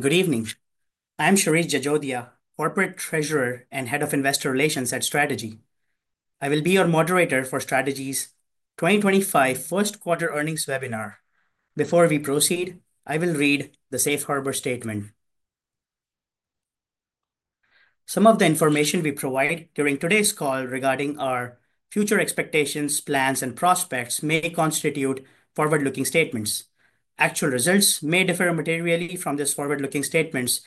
Good evening. I'm Shirish Jajodia, Corporate Treasurer and Head of Investor Relations at Strategy. I will be your moderator for Strategy's 2025 first-quarter earnings webinar. Before we proceed, I will read the Safe Harbor Statement. Some of the information we provide during today's call regarding our future expectations, plans, and prospects may constitute forward-looking statements. Actual results may differ materially from these forward-looking statements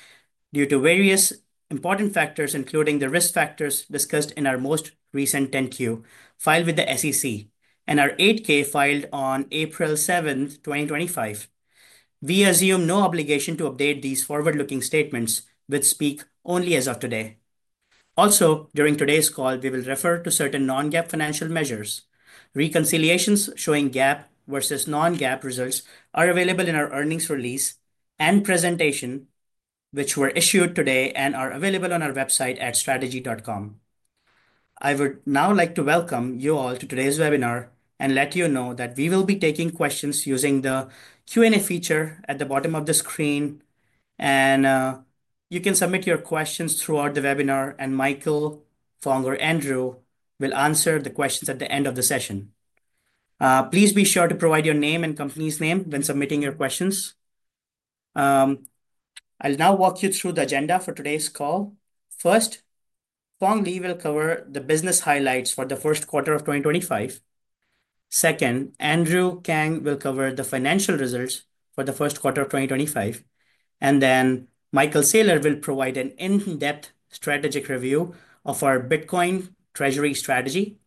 due to various important factors, including the risk factors discussed in our most recent 10-Q, filed with the SEC, and our 8-K filed on April 7, 2025. We assume no obligation to update these forward-looking statements, which speak only as of today. Also, during today's call, we will refer to certain non-GAAP financial measures. Reconciliations showing GAAP versus non-GAAP results are available in our earnings release and presentation, which were issued today and are available on our website at strategy.com. I would now like to welcome you all to today's webinar and let you know that we will be taking questions using the Q&A feature at the bottom of the screen. You can submit your questions throughout the webinar, and Michael, Phong, or Andrew will answer the questions at the end of the session. Please be sure to provide your name and company's name when submitting your questions. I'll now walk you through the agenda for today's call. First, Phong Le will cover the business highlights for the first quarter of 2025. Second, Andrew Kang will cover the financial results for the first quarter of 2025. Michael Saylor will provide an in-depth strategic review of our Bitcoin Treasury strategy.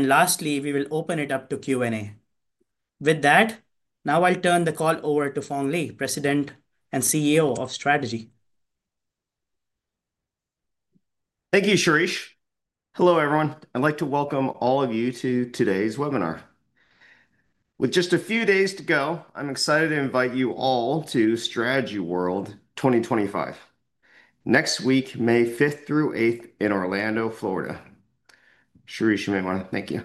Lastly, we will open it up to Q&A. With that, now I'll turn the call over to Phong Le, President and CEO of Strategy. Thank you, Shirish. Hello, everyone. I'd like to welcome all of you to today's webinar. With just a few days to go, I'm excited to invite you all to Strategy World 2025. Next week, May 5th through 8th in Orlando, Florida. Shirish, you may want to thank you.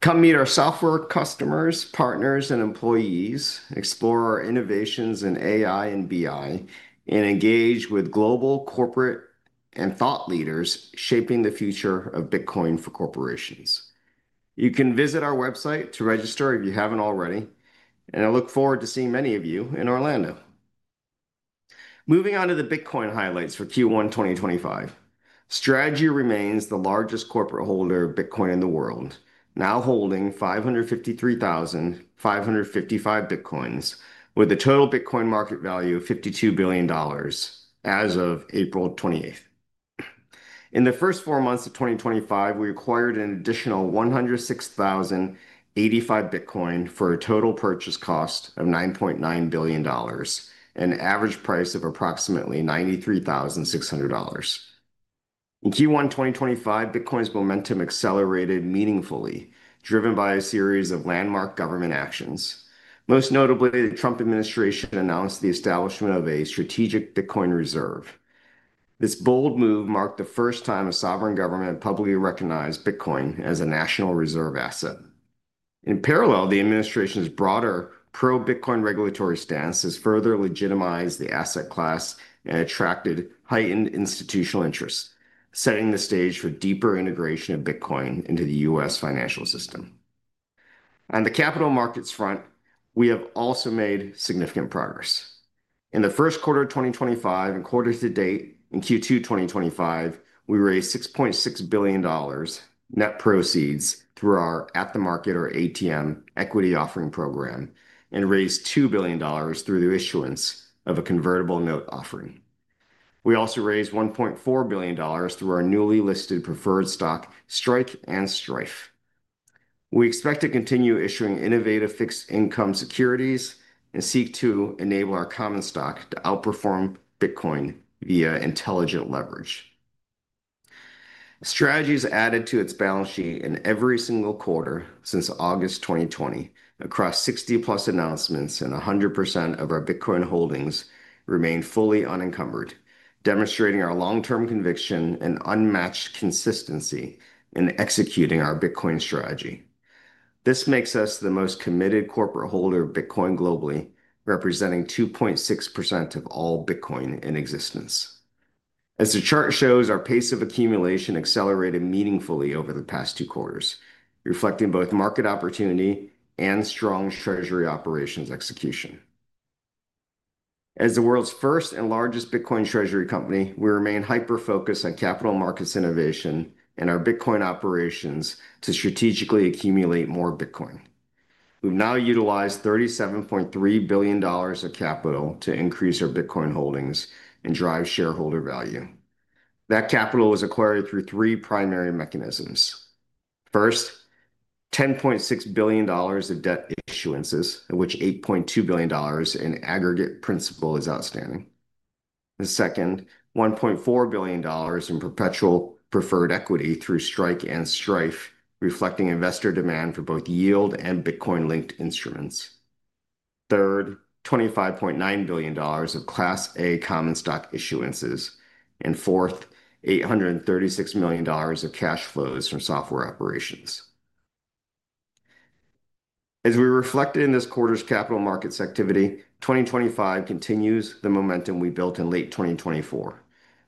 Come meet our software customers, partners, and employees, explore our innovations in AI and BI, and engage with global corporate and thought leaders shaping the future of Bitcoin for corporations. You can visit our website to register if you haven't already, and I look forward to seeing many of you in Orlando. Moving on to the Bitcoin highlights for Q1 2025. Strategy remains the largest corporate holder of Bitcoin in the world, now holding 553,555 Bitcoins, with a total Bitcoin market value of $52 billion as of April 28th. In the first four months of 2025, we acquired an additional 106,085 Bitcoin for a total purchase cost of $9.9 billion, an average price of approximately $93,600. In Q1 2025, Bitcoin's momentum accelerated meaningfully, driven by a series of landmark government actions. Most notably, the Trump administration announced the establishment of a strategic Bitcoin reserve. This bold move marked the first time a sovereign government publicly recognized Bitcoin as a national reserve asset. In parallel, the administration's broader pro-Bitcoin regulatory stance has further legitimized the asset class and attracted heightened institutional interest, setting the stage for deeper integration of Bitcoin into the U.S. financial system. On the capital markets front, we have also made significant progress. In the first quarter of 2025 and quarters to date, in Q2 2025, we raised $6.6 billion net proceeds through our At the Market, or ATM, equity offering program, and raised $2 billion through the issuance of a convertible note offering. We also raised $1.4 billion through our newly listed preferred stock, STRK and STRF. We expect to continue issuing innovative fixed-income securities and seek to enable our common stock to outperform Bitcoin via intelligent leverage. Strategy has added to its balance sheet in every single quarter since August 2020, across 60+ announcements, and 100% of our Bitcoin holdings remain fully unencumbered, demonstrating our long-term conviction and unmatched consistency in executing our Bitcoin strategy. This makes us the most committed corporate holder of Bitcoin globally, representing 2.6% of all Bitcoin in existence. As the chart shows, our pace of accumulation accelerated meaningfully over the past two quarters, reflecting both market opportunity and strong Treasury operations execution. As the world's first and largest Bitcoin Treasury company, we remain hyper-focused on capital markets innovation and our Bitcoin operations to strategically accumulate more Bitcoin. We've now utilized $37.3 billion of capital to increase our Bitcoin holdings and drive shareholder value. That capital was acquired through three primary mechanisms. First, $10.6 billion of debt issuances, of which $8.2 billion in aggregate principal is outstanding. Second, $1.4 billion in perpetual preferred equity through STRK and STRF, reflecting investor demand for both yield and Bitcoin-linked instruments. Third, $25.9 billion of Class A common stock issuances. Fourth, $836 million of cash flows from software operations. As we reflected in this quarter's capital markets activity, 2025 continues the momentum we built in late 2024,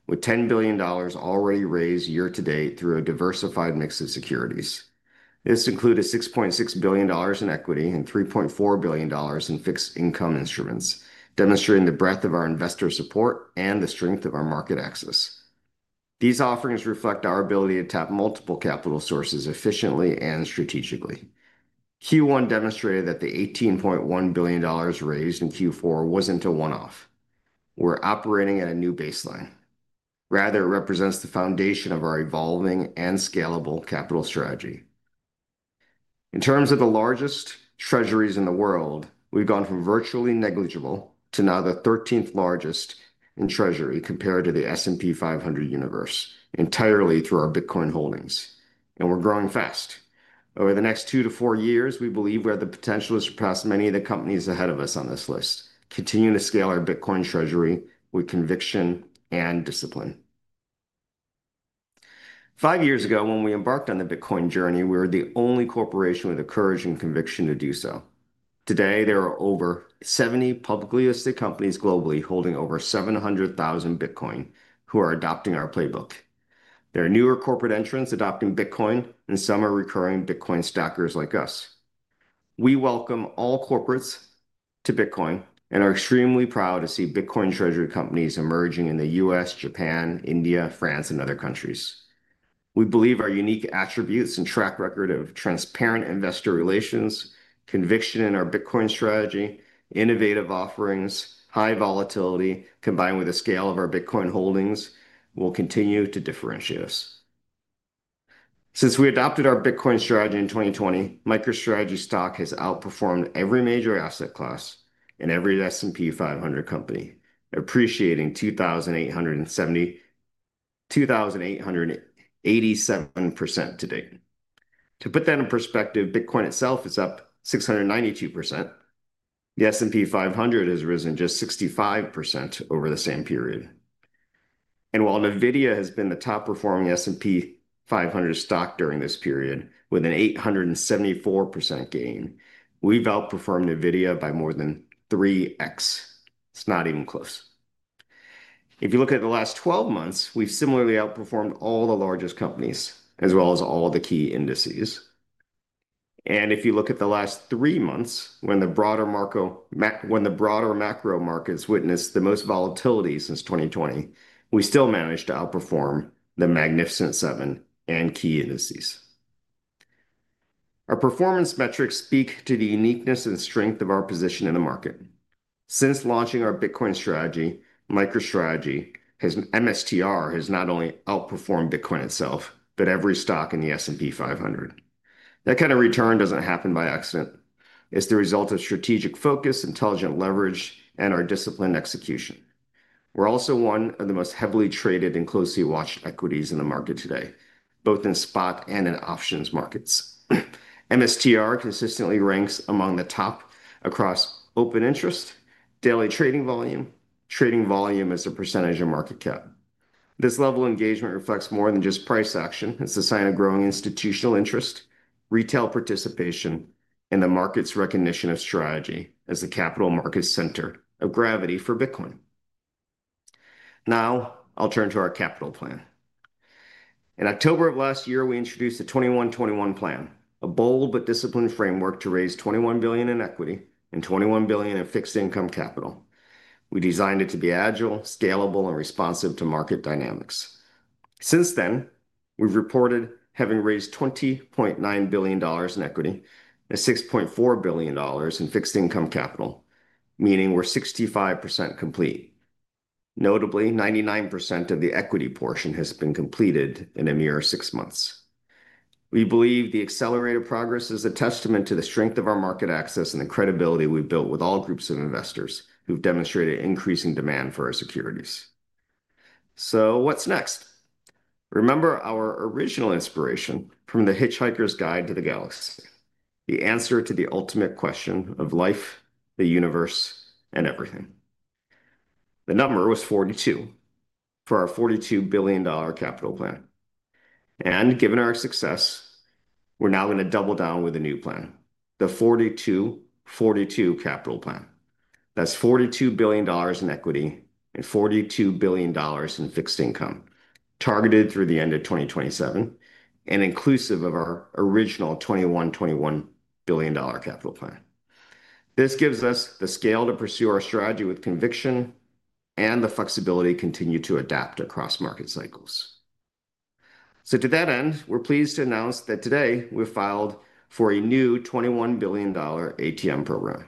with $10 billion already raised year-to-date through a diversified mix of securities. This included $6.6 billion in equity and $3.4 billion in fixed-income instruments, demonstrating the breadth of our investor support and the strength of our market access. These offerings reflect our ability to tap multiple capital sources efficiently and strategically. Q1 demonstrated that the $18.1 billion raised in Q4 was not a one-off. We are operating at a new baseline. Rather, it represents the foundation of our evolving and scalable capital strategy. In terms of the largest treasuries in the world, we have gone from virtually negligible to now the 13th largest in treasury compared to the S&P 500 universe entirely through our Bitcoin holdings. We are growing fast. Over the next two to four years, we believe we have the potential to surpass many of the companies ahead of us on this list, continuing to scale our Bitcoin treasury with conviction and discipline. Five years ago, when we embarked on the Bitcoin journey, we were the only corporation with the courage and conviction to do so. Today, there are over 70 publicly listed companies globally holding over 700,000 Bitcoin who are adopting our playbook. There are newer corporate entrants adopting Bitcoin, and some are recurring Bitcoin stackers like us. We welcome all corporates to Bitcoin and are extremely proud to see Bitcoin treasury companies emerging in the U.S., Japan, India, France, and other countries. We believe our unique attributes and track record of transparent investor relations, conviction in our Bitcoin strategy, innovative offerings, high volatility, combined with the scale of our Bitcoin holdings, will continue to differentiate us. Since we adopted our Bitcoin strategy in 2020, Strategy stock has outperformed every major asset class and every S&P 500 company, appreciating 2,887% to date. To put that in perspective, Bitcoin itself is up 692%. The S&P 500 has risen just 65% over the same period. While NVIDIA has been the top-performing S&P 500 stock during this period, with an 874% gain, we've outperformed NVIDIA by more than 3x. It's not even close. If you look at the last 12 months, we've similarly outperformed all the largest companies, as well as all the key indices. If you look at the last three months, when the broader macro markets witnessed the most volatility since 2020, we still managed to outperform the Magnificent Seven and key indices. Our performance metrics speak to the uniqueness and strength of our position in the market. Since launching our Bitcoin strategy, Strategy has MSTR has not only outperformed Bitcoin itself, but every stock in the S&P 500. That kind of return doesn't happen by accident. It's the result of strategic focus, intelligent leverage, and our disciplined execution. We're also one of the most heavily traded and closely watched equities in the market today, both in spot and in options markets. MSTR consistently ranks among the top across open interest, daily trading volume, trading volume as a percentage of market cap. This level of engagement reflects more than just price action. It's a sign of growing institutional interest, retail participation, and the market's recognition of Strategy as the capital market center of gravity for Bitcoin. Now, I'll turn to our capital plan. In October of last year, we introduced the 21-21 plan, a bold but disciplined framework to raise $21 billion in equity and $21 billion in fixed-income capital. We designed it to be agile, scalable, and responsive to market dynamics. Since then, we've reported having raised $20.9 billion in equity and $6.4 billion in fixed-income capital, meaning we're 65% complete. Notably, 99% of the equity portion has been completed in a mere six months. We believe the accelerated progress is a testament to the strength of our market access and the credibility we've built with all groups of investors who've demonstrated increasing demand for our securities. What's next? Remember our original inspiration from the Hitchhiker's Guide to the Galaxy, the answer to the ultimate question of life, the universe, and everything. The number was 42 for our $42 billion capital plan. Given our success, we're now going to double down with a new plan, the 42-42 capital plan. That's $42 billion in equity and $42 billion in fixed income targeted through the end of 2027 and inclusive of our original $21 billion capital plan. This gives us the scale to pursue our strategy with conviction and the flexibility to continue to adapt across market cycles. To that end, we're pleased to announce that today we've filed for a new $21 billion ATM program.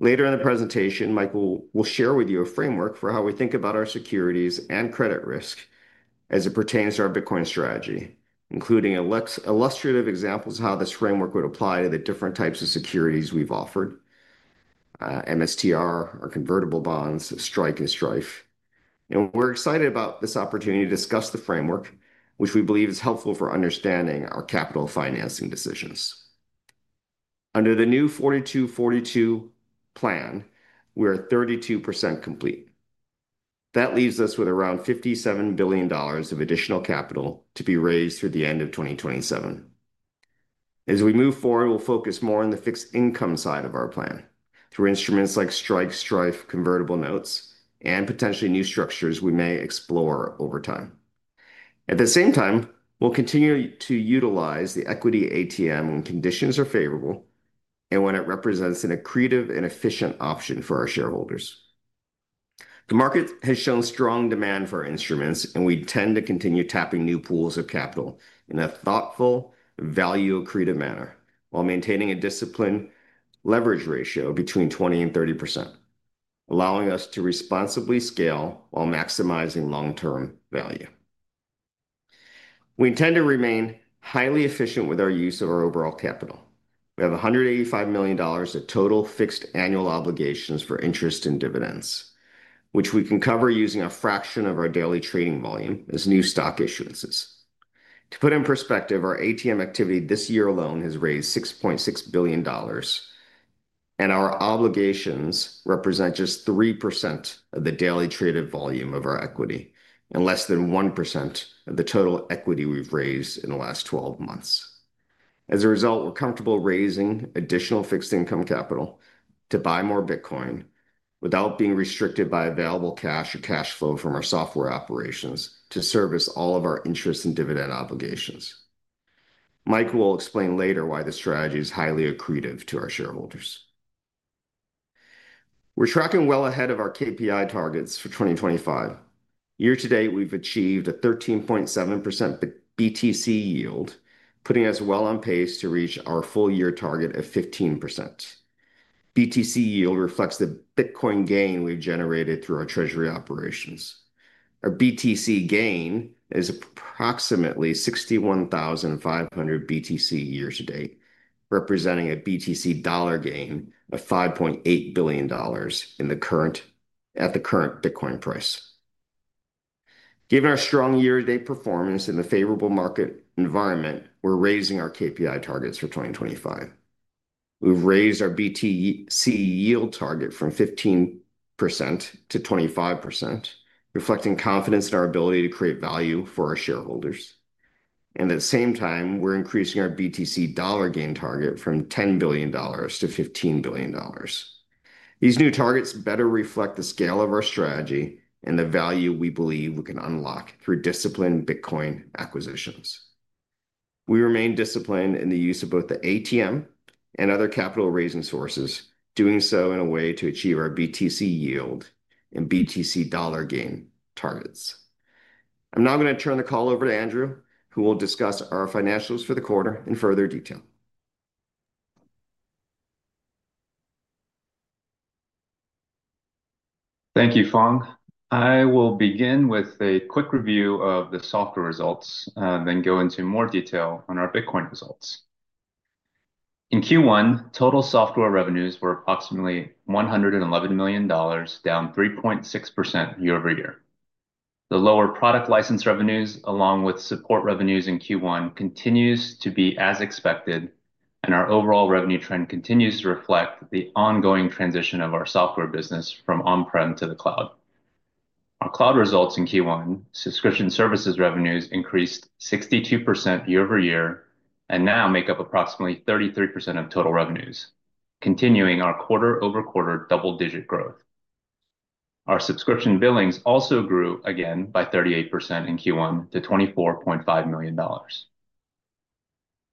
Later in the presentation, Michael will share with you a framework for how we think about our securities and credit risk as it pertains to our Bitcoin strategy, including illustrative examples of how this framework would apply to the different types of securities we've offered, MSTR, our convertible bonds, STRK, and STRF. We are excited about this opportunity to discuss the framework, which we believe is helpful for understanding our capital financing decisions. Under the new 42-42 plan, we are 32% complete. That leaves us with around $57 billion of additional capital to be raised through the end of 2027. As we move forward, we will focus more on the fixed-income side of our plan. Through instruments like STRK, STRF, convertible notes, and potentially new structures we may explore over time. At the same time, we will continue to utilize the equity ATM when conditions are favorable and when it represents an accretive and efficient option for our shareholders. The market has shown strong demand for our instruments, and we tend to continue tapping new pools of capital in a thoughtful, value-accretive manner while maintaining a disciplined leverage ratio between 20% and 30%, allowing us to responsibly scale while maximizing long-term value. We intend to remain highly efficient with our use of our overall capital. We have $185 million of total fixed annual obligations for interest and dividends, which we can cover using a fraction of our daily trading volume as new stock issuances. To put in perspective, our ATM activity this year alone has raised $6.6 billion, and our obligations represent just 3% of the daily traded volume of our equity and less than 1% of the total equity we've raised in the last 12 months. As a result, we're comfortable raising additional fixed-income capital to buy more Bitcoin without being restricted by available cash or cash flow from our software operations to service all of our interest and dividend obligations. Michael will explain later why the strategy is highly accretive to our shareholders. We're tracking well ahead of our KPI targets for 2025. Year-to-date, we've achieved a 13.7% BTC yield, putting us well on pace to reach our full-year target of 15%. BTC yield reflects the Bitcoin gain we've generated through our treasury operations. Our BTC gain is approximately 61,500 BTC year-to-date, representing a BTC dollar gain of $5.8 billion at the current Bitcoin price. Given our strong year-to-date performance in the favorable market environment, we're raising our KPI targets for 2025. We've raised our BTC yield target from 15% to 25%, reflecting confidence in our ability to create value for our shareholders. At the same time, we're increasing our BTC dollar gain target from $10 billion to $15 billion. These new targets better reflect the scale of our strategy and the value we believe we can unlock through disciplined Bitcoin acquisitions. We remain disciplined in the use of both the ATM and other capital-raising sources, doing so in a way to achieve our BTC yield and BTC dollar gain targets. I'm now going to turn the call over to Andrew, who will discuss our financials for the quarter in further detail. Thank you, Phong. I will begin with a quick review of the software results, then go into more detail on our Bitcoin results. In Q1, total software revenues were approximately $111 million, down 3.6% year-over-year. The lower product license revenues, along with support revenues in Q1, continue to be as expected, and our overall revenue trend continues to reflect the ongoing transition of our software business from on-prem to the cloud. Our cloud results in Q1 subscription services revenues increased 62% year-over-year and now make up approximately 33% of total revenues, continuing our quarter-over-quarter double-digit growth. Our subscription billings also grew again by 38% in Q1 to $24.5 million.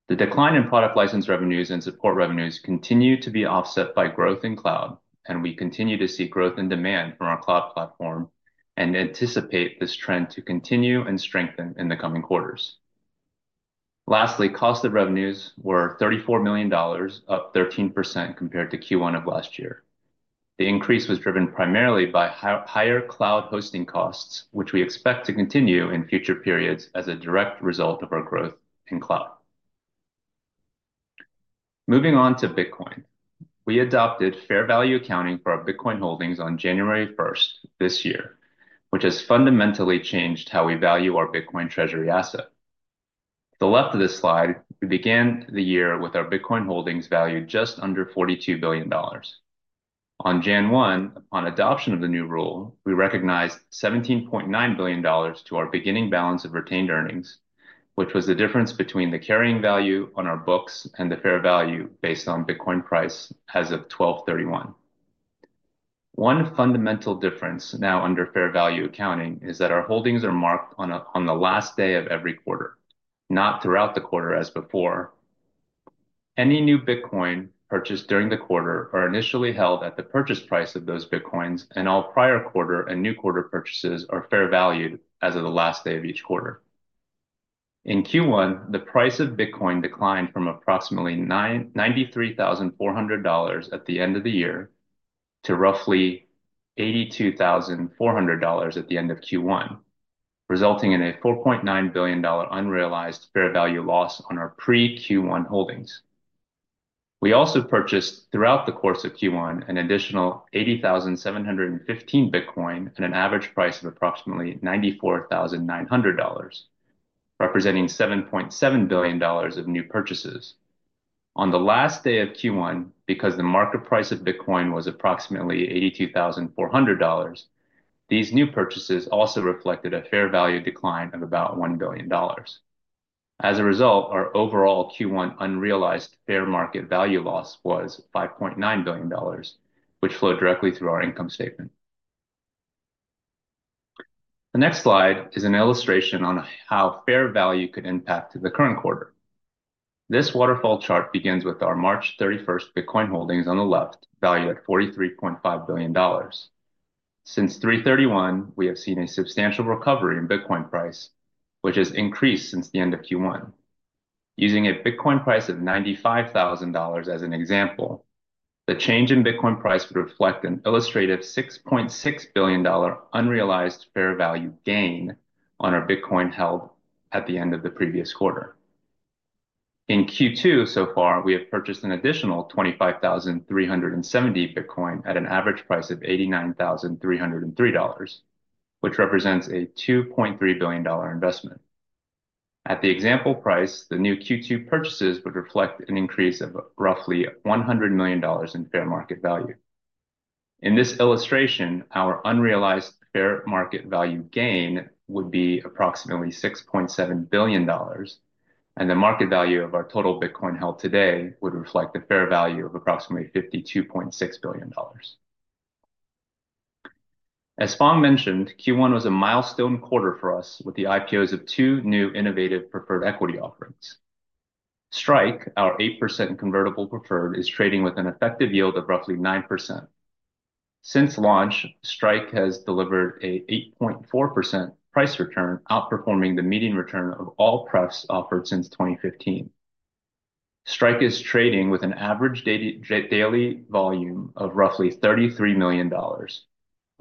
The decline in product license revenues and support revenues continues to be offset by growth in cloud, and we continue to see growth in demand from our cloud platform and anticipate this trend to continue and strengthen in the coming quarters. Lastly, cost of revenues were $34 million, up 13% compared to Q1 of last year. The increase was driven primarily by higher cloud hosting costs, which we expect to continue in future periods as a direct result of our growth in cloud. Moving on to Bitcoin, we adopted fair value accounting for our Bitcoin holdings on January 1 this year, which has fundamentally changed how we value our Bitcoin treasury asset. To the left of this slide, we began the year with our Bitcoin holdings valued just under $42 billion. On January 1, upon adoption of the new rule, we recognized $17.9 billion to our beginning balance of retained earnings, which was the difference between the carrying value on our books and the fair value based on Bitcoin price as of December 31. One fundamental difference now under fair value accounting is that our holdings are marked on the last day of every quarter, not throughout the quarter as before. Any new Bitcoin purchased during the quarter are initially held at the purchase price of those Bitcoins, and all prior quarter and new quarter purchases are fair valued as of the last day of each quarter. In Q1, the price of Bitcoin declined from approximately $93,400 at the end of the year to roughly $82,400 at the end of Q1, resulting in a $4.9 billion unrealized fair value loss on our pre-Q1 holdings. We also purchased throughout the course of Q1 an additional 80,715 Bitcoin at an average price of approximately $94,900, representing $7.7 billion of new purchases. On the last day of Q1, because the market price of Bitcoin was approximately $82,400, these new purchases also reflected a fair value decline of about $1 billion. As a result, our overall Q1 unrealized fair market value loss was $5.9 billion, which flowed directly through our income statement. The next slide is an illustration on how fair value could impact the current quarter. This waterfall chart begins with our March 31 Bitcoin holdings on the left, valued at $43.5 billion. Since 3/31, we have seen a substantial recovery in Bitcoin price, which has increased since the end of Q1. Using a Bitcoin price of $95,000 as an example, the change in Bitcoin price would reflect an illustrative $6.6 billion unrealized fair value gain on our Bitcoin held at the end of the previous quarter. In Q2 so far, we have purchased an additional 25,370 Bitcoin at an average price of $89,303, which represents a $2.3 billion investment. At the example price, the new Q2 purchases would reflect an increase of roughly $100 million in fair market value. In this illustration, our unrealized fair market value gain would be approximately $6.7 billion, and the market value of our total Bitcoin held today would reflect the fair value of approximately $52.6 billion. As Phong mentioned, Q1 was a milestone quarter for us with the IPOs of two new innovative preferred equity offerings. STRK, our 8% convertible preferred, is trading with an effective yield of roughly 9%. Since launch, STRK has delivered an 8.4% price return, outperforming the median return of all preferreds offered since 2015. STRK is trading with an average daily volume of roughly $33 million,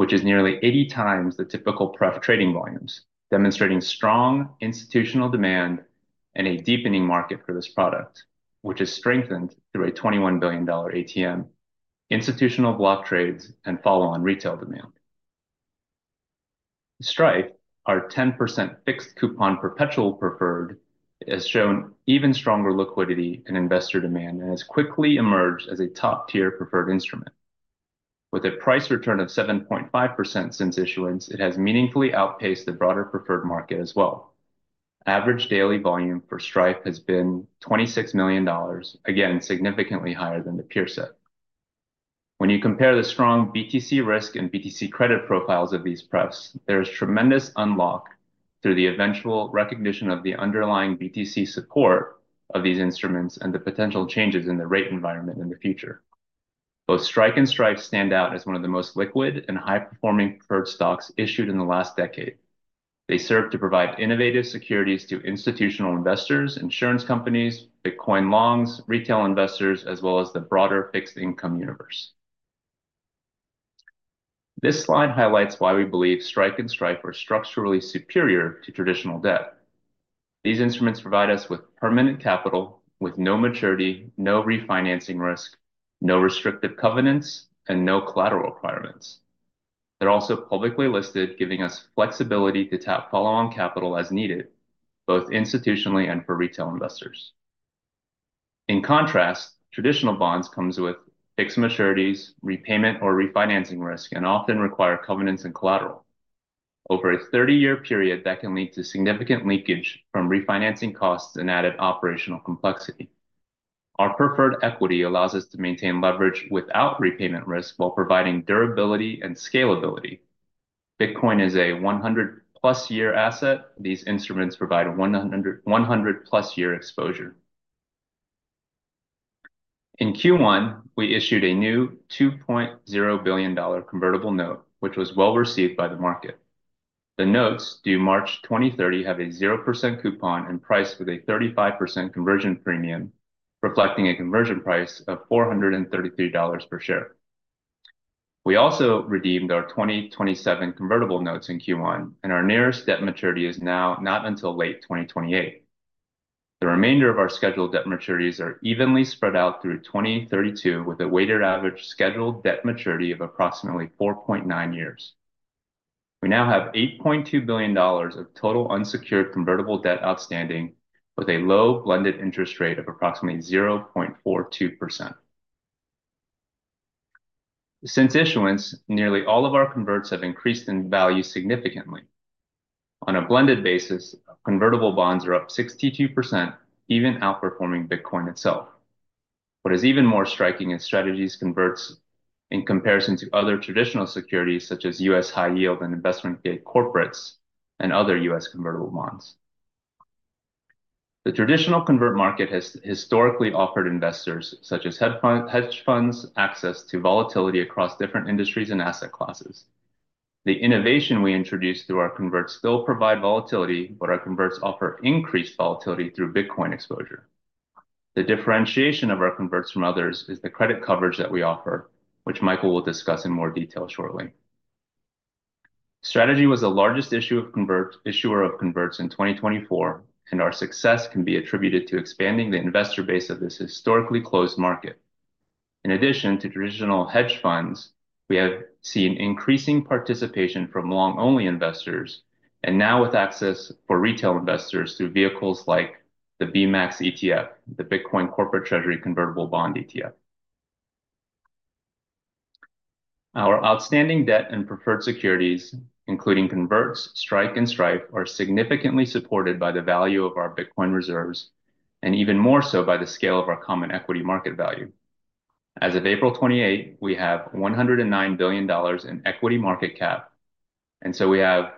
which is nearly 80x the typical preferred trading volumes, demonstrating strong institutional demand and a deepening market for this product, which is strengthened through a $21 billion ATM, institutional block trades, and follow-on retail demand. STRF, our 10% fixed coupon perpetual preferred, has shown even stronger liquidity and investor demand and has quickly emerged as a top-tier preferred instrument. With a price return of 7.5% since issuance, it has meaningfully outpaced the broader preferred market as well. Average daily volume for STRF has been $26 million, again significantly higher than the peerset. When you compare the strong BTC risk and BTC credit profiles of these prefs, there is tremendous unlock through the eventual recognition of the underlying BTC support of these instruments and the potential changes in the rate environment in the future. Both STRK and STRF stand out as one of the most liquid and high-performing preferred stocks issued in the last decade. They serve to provide innovative securities to institutional investors, insurance companies, Bitcoin longs, retail investors, as well as the broader fixed-income universe. This slide highlights why we believe STRK and STRF are structurally superior to traditional debt. These instruments provide us with permanent capital with no maturity, no refinancing risk, no restrictive covenants, and no collateral requirements. They're also publicly listed, giving us flexibility to tap follow-on capital as needed, both institutionally and for retail investors. In contrast, traditional bonds come with fixed maturities, repayment or refinancing risk, and often require covenants and collateral. Over a 30-year period, that can lead to significant leakage from refinancing costs and added operational complexity. Our preferred equity allows us to maintain leverage without repayment risk while providing durability and scalability. Bitcoin is a 100+ year asset. These instruments provide a 100+ year exposure. In Q1, we issued a new $2.0 billion convertible note, which was well received by the market. The notes due March 2030 have a 0% coupon and priced with a 35% conversion premium, reflecting a conversion price of $433 per share. We also redeemed our 2027 convertible notes in Q1, and our nearest debt maturity is now not until late 2028. The remainder of our scheduled debt maturities are evenly spread out through 2032, with a weighted average scheduled debt maturity of approximately 4.9 years. We now have $8.2 billion of total unsecured convertible debt outstanding, with a low blended interest rate of approximately 0.42%. Since issuance, nearly all of our converts have increased in value significantly. On a blended basis, convertible bonds are up 62%, even outperforming Bitcoin itself. What is even more striking is Strategy's converts in comparison to other traditional securities, such as U.S. high-yield and investment-grade corporates and other U.S. convertible bonds. The traditional convert market has historically offered investors, such as hedge funds, access to volatility across different industries and asset classes. The innovation we introduced through our converts still provides volatility, but our converts offer increased volatility through Bitcoin exposure. The differentiation of our converts from others is the credit coverage that we offer, which Michael will discuss in more detail shortly. Strategy was the largest issuer of converts in 2024, and our success can be attributed to expanding the investor base of this historically closed market. In addition to traditional hedge funds, we have seen increasing participation from long-only investors, and now with access for retail investors through vehicles like the BMAX ETF, the Bitcoin Corporate Treasury Convertible Bond ETF. Our outstanding debt and preferred securities, including converts, STRK, and STRF, are significantly supported by the value of our Bitcoin reserves and even more so by the scale of our common equity market value. As of April 28, we have $109 billion in equity market cap, and so we have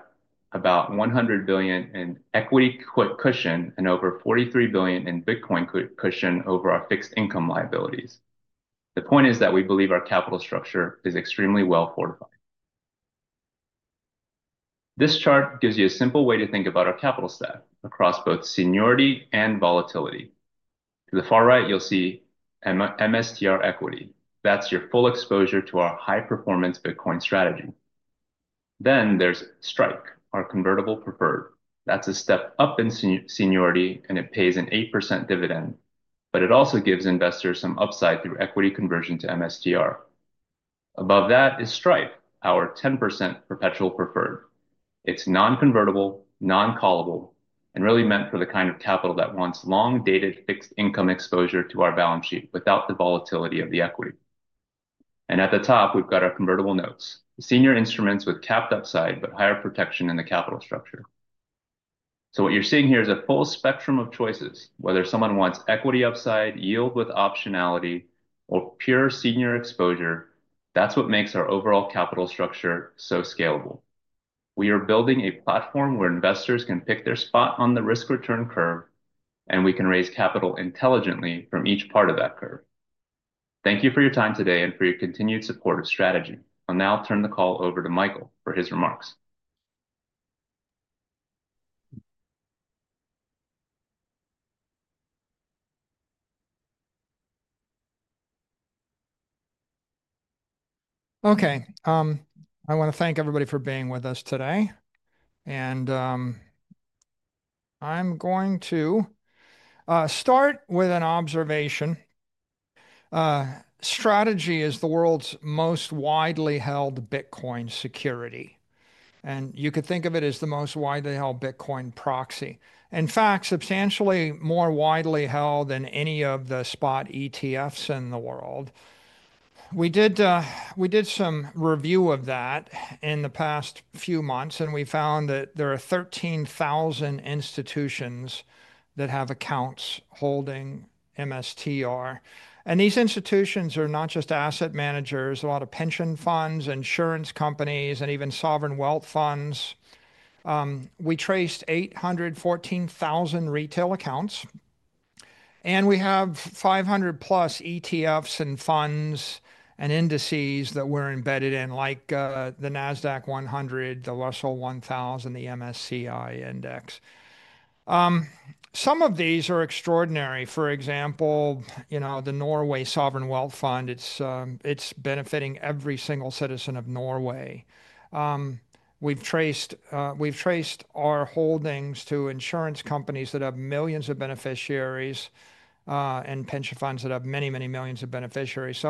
about $100 billion in equity cushion and over $43 billion in Bitcoin cushion over our fixed-income liabilities. The point is that we believe our capital structure is extremely well fortified. This chart gives you a simple way to think about our capital stack across both seniority and volatility. To the far right, you'll see MSTR Equity. That's your full exposure to our high-performance Bitcoin strategy. Then there's STRK, our convertible preferred. That's a step up in seniority, and it pays an 8% dividend, but it also gives investors some upside through equity conversion to MSTR. Above that is STRF, our 10% perpetual preferred. It's non-convertible, non-callable, and really meant for the kind of capital that wants long-dated fixed-income exposure to our balance sheet without the volatility of the equity. At the top, we've got our convertible notes, senior instruments with capped upside but higher protection in the capital structure. What you're seeing here is a full spectrum of choices, whether someone wants equity upside, yield with optionality, or pure senior exposure. That's what makes our overall capital structure so scalable. We are building a platform where investors can pick their spot on the risk-return curve, and we can raise capital intelligently from each part of that curve. Thank you for your time today and for your continued support of Strategy. I'll now turn the call over to Michael for his remarks. Okay. I want to thank everybody for being with us today. I am going to start with an observation. Strategy is the world's most widely held Bitcoin security. You could think of it as the most widely held Bitcoin proxy. In fact, substantially more widely held than any of the spot ETFs in the world. We did some review of that in the past few months, and we found that there are 13,000 institutions that have accounts holding MSTR. These institutions are not just asset managers, a lot of pension funds, insurance companies, and even sovereign wealth funds. We traced 814,000 retail accounts, and we have 500+ ETFs and funds and indices that we're embedded in, like the Nasdaq 100, the Russell 1000, the MSCI index. Some of these are extraordinary. For example, you know the Norway Sovereign Wealth Fund. It's benefiting every single citizen of Norway. We've traced our holdings to insurance companies that have millions of beneficiaries and pension funds that have many, many millions of beneficiaries.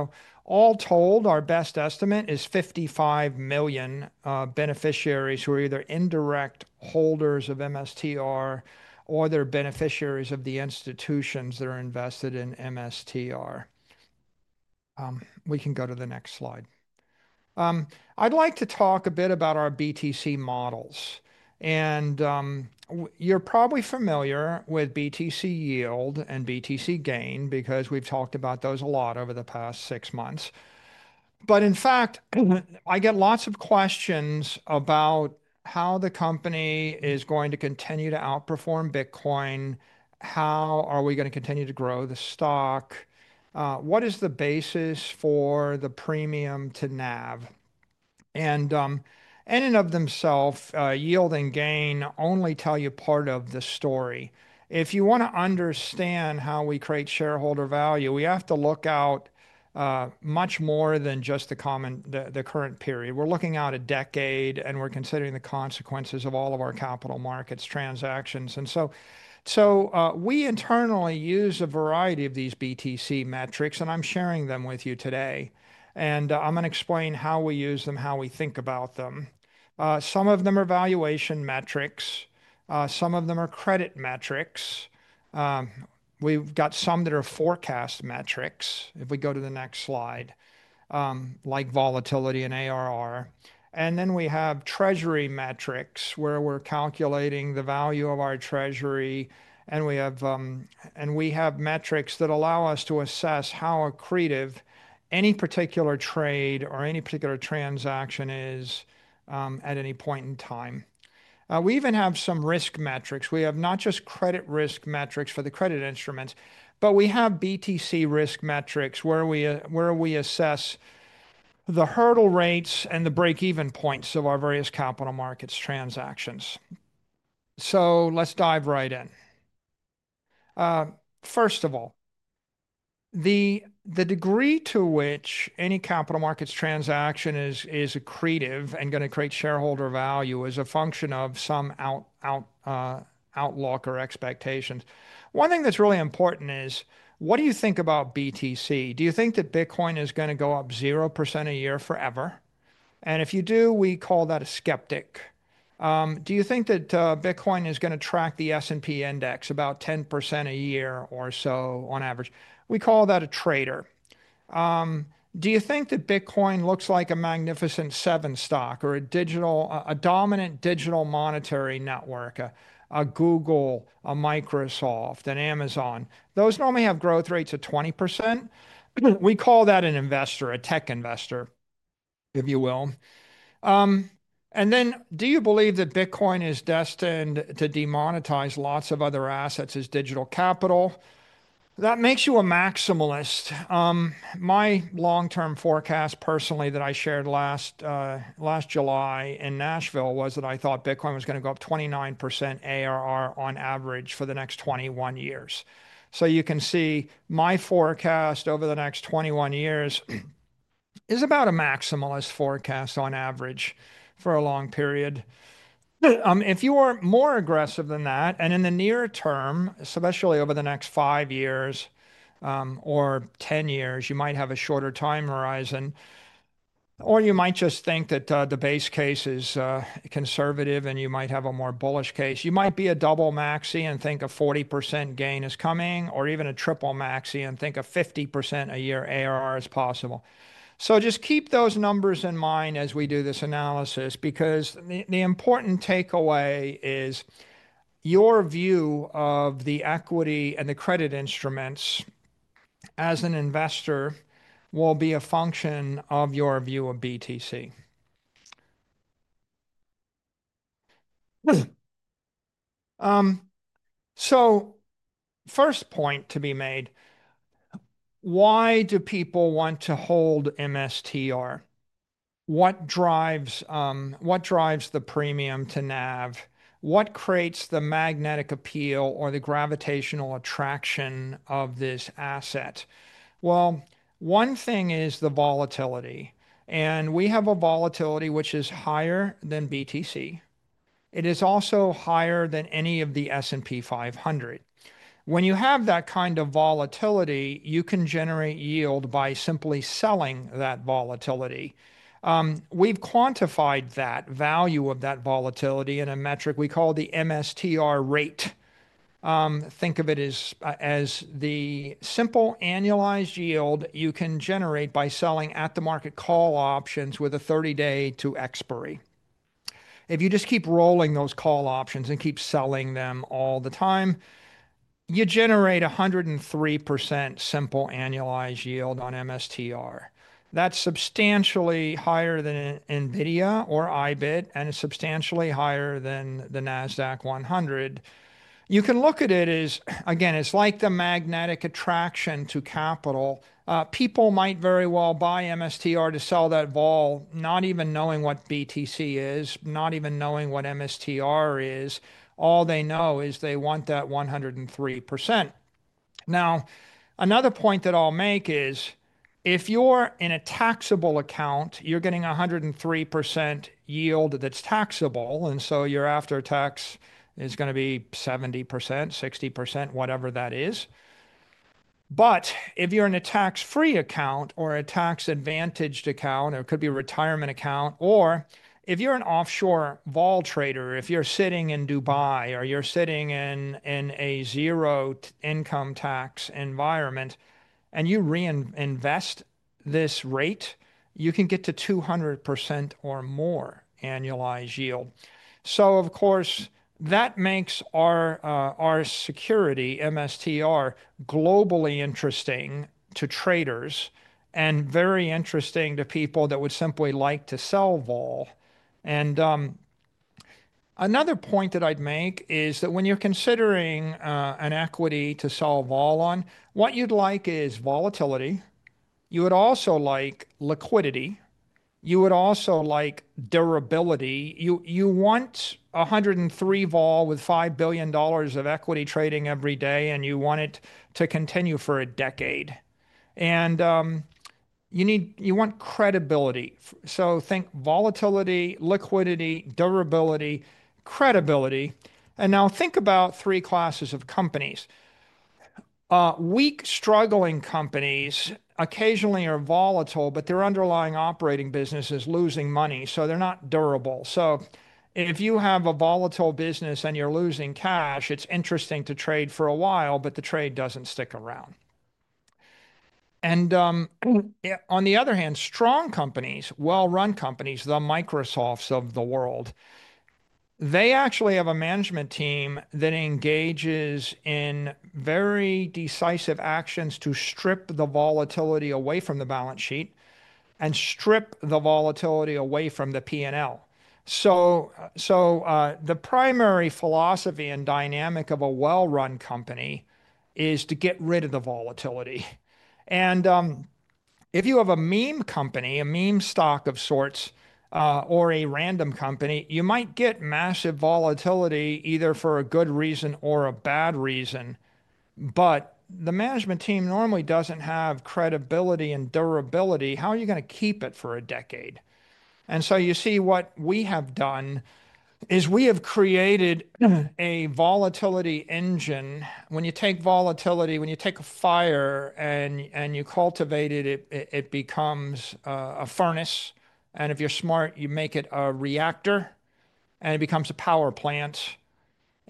All told, our best estimate is 55 million beneficiaries who are either indirect holders of MSTR or they're beneficiaries of the institutions that are invested in MSTR. We can go to the next slide. I'd like to talk a bit about our BTC models. You are probably familiar with BTC yield and BTC gain because we have talked about those a lot over the past six months. In fact, I get lots of questions about how the company is going to continue to outperform Bitcoin. How are we going to continue to grow the stock? What is the basis for the premium to NAV? In and of themselves, yield and gain only tell you part of the story. If you want to understand how we create shareholder value, we have to look out much more than just the current period. We are looking out a decade, and we are considering the consequences of all of our capital markets transactions. We internally use a variety of these BTC metrics, and I am sharing them with you today. I am going to explain how we use them, how we think about them. Some of them are valuation metrics. Some of them are credit metrics. We've got some that are forecast metrics. If we go to the next slide, like volatility and ARR. We have treasury metrics where we're calculating the value of our treasury. We have metrics that allow us to assess how accretive any particular trade or any particular transaction is at any point in time. We even have some risk metrics. We have not just credit risk metrics for the credit instruments, but we have BTC risk metrics where we assess the hurdle rates and the break-even points of our various capital markets transactions. Let's dive right in. First of all, the degree to which any capital markets transaction is accretive and going to create shareholder value is a function of some outlook or expectations. One thing that's really important is, what do you think about BTC? Do you think that Bitcoin is going to go up 0% a year forever? If you do, we call that a skeptic. Do you think that Bitcoin is going to track the S&P index about 10% a year or so on average? We call that a trader. Do you think that Bitcoin looks like a Magnificent Seven stock or a dominant digital monetary network, a Google, a Microsoft, an Amazon? Those normally have growth rates of 20%. We call that an investor, a tech investor, if you will. Do you believe that Bitcoin is destined to demonetize lots of other assets as digital capital? That makes you a maximalist. My long-term forecast, personally, that I shared last July in Nashville was that I thought Bitcoin was going to go up 29% ARR on average for the next 21 years. You can see my forecast over the next 21 years is about a maximalist forecast on average for a long period. If you are more aggressive than that, and in the near term, especially over the next five years or 10 years, you might have a shorter time horizon, or you might just think that the base case is conservative and you might have a more bullish case. You might be a double maxi and think a 40% gain is coming, or even a triple maxi and think a 50% a year ARR is possible. Just keep those numbers in mind as we do this analysis because the important takeaway is your view of the equity and the credit instruments as an investor will be a function of your view of BTC. First point to be made, why do people want to hold MSTR? What drives the premium to NAV? What creates the magnetic appeal or the gravitational attraction of this asset? One thing is the volatility. We have a volatility which is higher than BTC. It is also higher than any of the S&P 500. When you have that kind of volatility, you can generate yield by simply selling that volatility. We have quantified that value of that volatility in a metric we call the MSTR rate. Think of it as the simple annualized yield you can generate by selling at-the-market call options with a 30-day to expiry. If you just keep rolling those call options and keep selling them all the time, you generate 103% simple annualized yield on MSTR. That's substantially higher than NVIDIA or IBIT and substantially higher than the Nasdaq 100. You can look at it as, again, it's like the magnetic attraction to capital. People might very well buy MSTR to sell that vol, not even knowing what BTC is, not even knowing what MSTR is. All they know is they want that 103%. Now, another point that I'll make is if you're in a taxable account, you're getting 103% yield that's taxable. And so your after-tax is going to be 70%, 60%, whatever that is. If you're in a tax-free account or a tax-advantaged account, or it could be a retirement account, or if you're an offshore vol trader, if you're sitting in Dubai or you're sitting in a zero income tax environment and you reinvest this rate, you can get to 200% or more annualized yield. Of course, that makes our security, MSTR, globally interesting to traders and very interesting to people that would simply like to sell vol. Another point that I'd make is that when you're considering an equity to sell vol on, what you'd like is volatility. You would also like liquidity. You would also like durability. You want 103 vol with $5 billion of equity trading every day, and you want it to continue for a decade. You want credibility. Think volatility, liquidity, durability, credibility. Now think about three classes of companies. Weak, struggling companies occasionally are volatile, but their underlying operating business is losing money, so they're not durable. If you have a volatile business and you're losing cash, it's interesting to trade for a while, but the trade doesn't stick around. On the other hand, strong companies, well-run companies, the Microsofts of the world, they actually have a management team that engages in very decisive actions to strip the volatility away from the balance sheet and strip the volatility away from the P&L. The primary philosophy and dynamic of a well-run company is to get rid of the volatility. If you have a meme company, a meme stock of sorts, or a random company, you might get massive volatility either for a good reason or a bad reason. The management team normally doesn't have credibility and durability. How are you going to keep it for a decade? You see what we have done is we have created a volatility engine. When you take volatility, when you take a fire and you cultivate it, it becomes a furnace. If you're smart, you make it a reactor, and it becomes a power plant.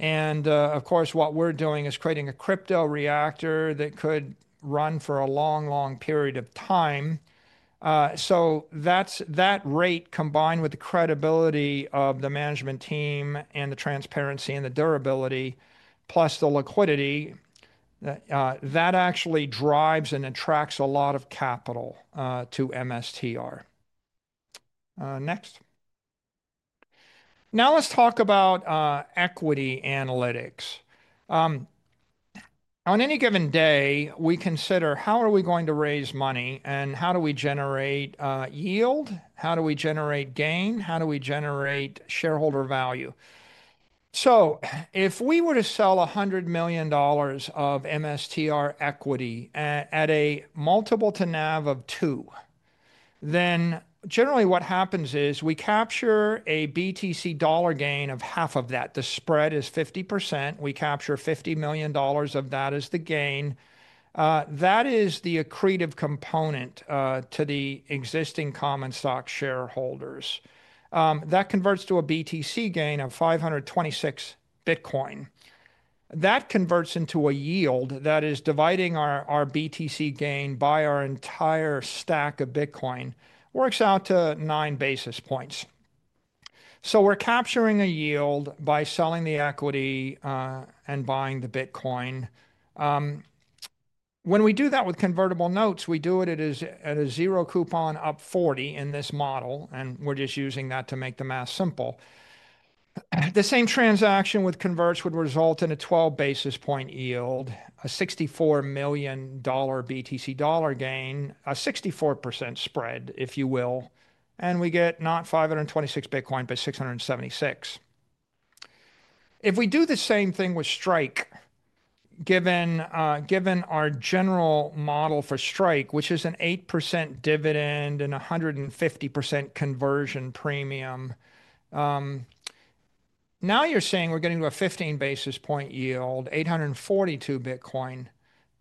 Of course, what we're doing is creating a crypto reactor that could run for a long, long period of time. That rate combined with the credibility of the management team and the transparency and the durability, plus the liquidity, actually drives and attracts a lot of capital to MSTR. Next. Now let's talk about equity analytics. On any given day, we consider how are we going to raise money and how do we generate yield? How do we generate gain? How do we generate shareholder value? If we were to sell $100 million of MSTR equity at a multiple to NAV of 2, then generally what happens is we capture a BTC dollar gain of half of that. The spread is 50%. We capture $50 million of that as the gain. That is the accretive component to the existing common stock shareholders. That converts to a BTC gain of 526 Bitcoin. That converts into a yield that is dividing our BTC gain by our entire stack of Bitcoin. Works out to nine basis points. We are capturing a yield by selling the equity and buying the Bitcoin. When we do that with convertible notes, we do it at a zero coupon up 40 in this model, and we are just using that to make the math simple. The same transaction with converts would result in a 12 basis point yield, a $64 million BTC dollar gain, a 64% spread, if you will. We get not 526 Bitcoin, but 676. If we do the same thing with STRK, given our general model for STRK, which is an 8% dividend and a 150% conversion premium, now you're saying we're getting to a 15 basis point yield, 842 Bitcoin,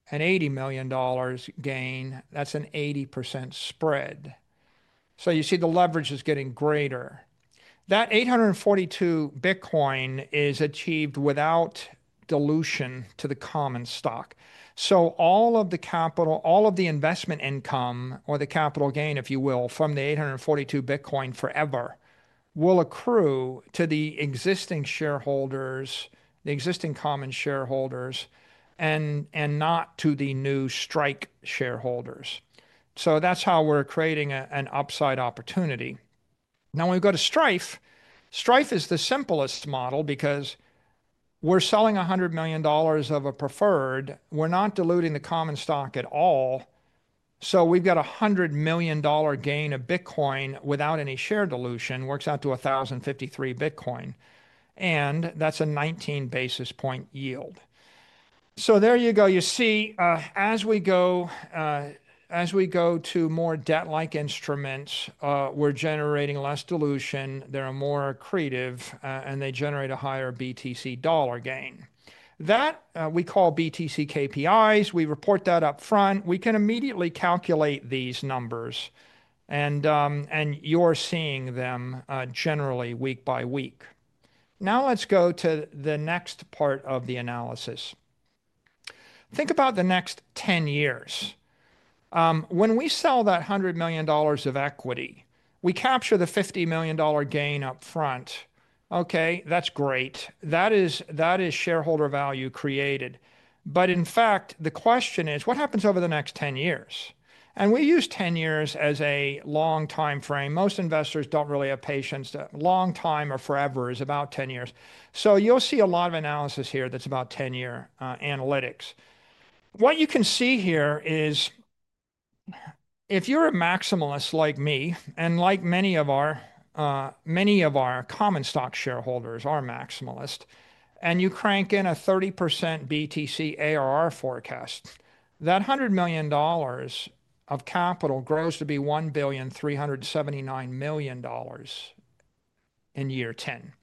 and $80 million gain. That's an 80% spread. You see the leverage is getting greater. That 842 Bitcoin is achieved without dilution to the common stock. All of the capital, all of the investment income or the capital gain, if you will, from the 842 Bitcoin forever will accrue to the existing shareholders, the existing common shareholders, and not to the new STRK shareholders. That is how we're creating an upside opportunity. Now when we go to STRF, STRF is the simplest model because we're selling $100 million of a preferred. We're not diluting the common stock at all. So we've got a $100 million gain of Bitcoin without any share dilution. Works out to 1,053 Bitcoin. And that's a 19 basis point yield. There you go. You see, as we go to more debt-like instruments, we're generating less dilution. They're more accretive, and they generate a higher BTC dollar gain. That we call BTC KPIs. We report that upfront. We can immediately calculate these numbers, and you're seeing them generally week by week. Now let's go to the next part of the analysis. Think about the next 10 years. When we sell that $100 million of equity, we capture the $50 million gain upfront. Okay, that's great. That is shareholder value created. In fact, the question is, what happens over the next 10 years? We use 10 years as a long time frame. Most investors do not really have patience. Long time or forever is about 10 years. You will see a lot of analysis here that is about 10-year analytics. What you can see here is if you are a maximalist like me and like many of our common stock shareholders are maximalist, and you crank in a 30% BTC ARR forecast, that $100 million of capital grows to be $1,379 million in year 10.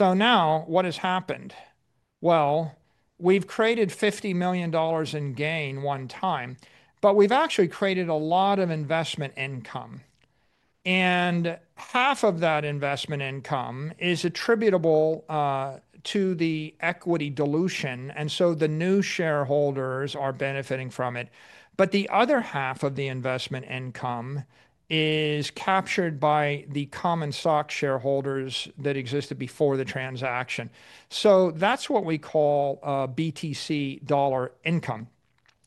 Now what has happened? We have created $50 million in gain one time, but we have actually created a lot of investment income. Half of that investment income is attributable to the equity dilution, and so the new shareholders are benefiting from it. The other half of the investment income is captured by the common stock shareholders that existed before the transaction. That's what we call BTC dollar income.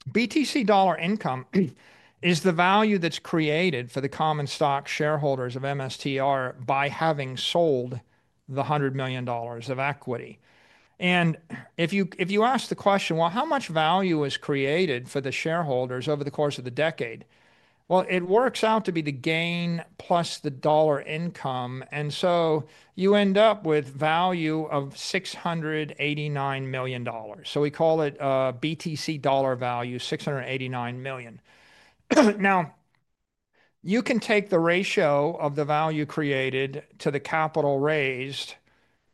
BTC dollar income is the value that's created for the common stock shareholders of MSTR by having sold the $100 million of equity. If you ask the question, you know, how much value is created for the shareholders over the course of the decade, it works out to be the gain plus the dollar income. You end up with value of $689 million. We call it BTC dollar value, $689 million. You can take the ratio of the value created to the capital raised,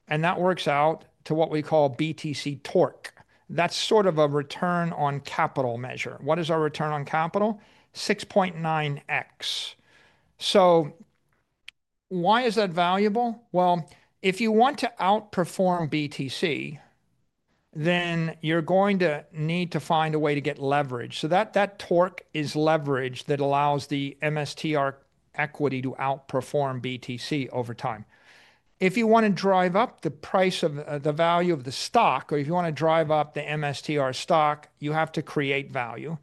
and that works out to what we call BTC torque. That's sort of a return on capital measure. What is our return on capital? 6.9x. Why is that valuable? If you want to outperform BTC, then you're going to need to find a way to get leverage. That torque is leverage that allows the MSTR equity to outperform BTC over time. If you want to drive up the price of the value of the stock, or if you want to drive up the MSTR stock, you have to create value.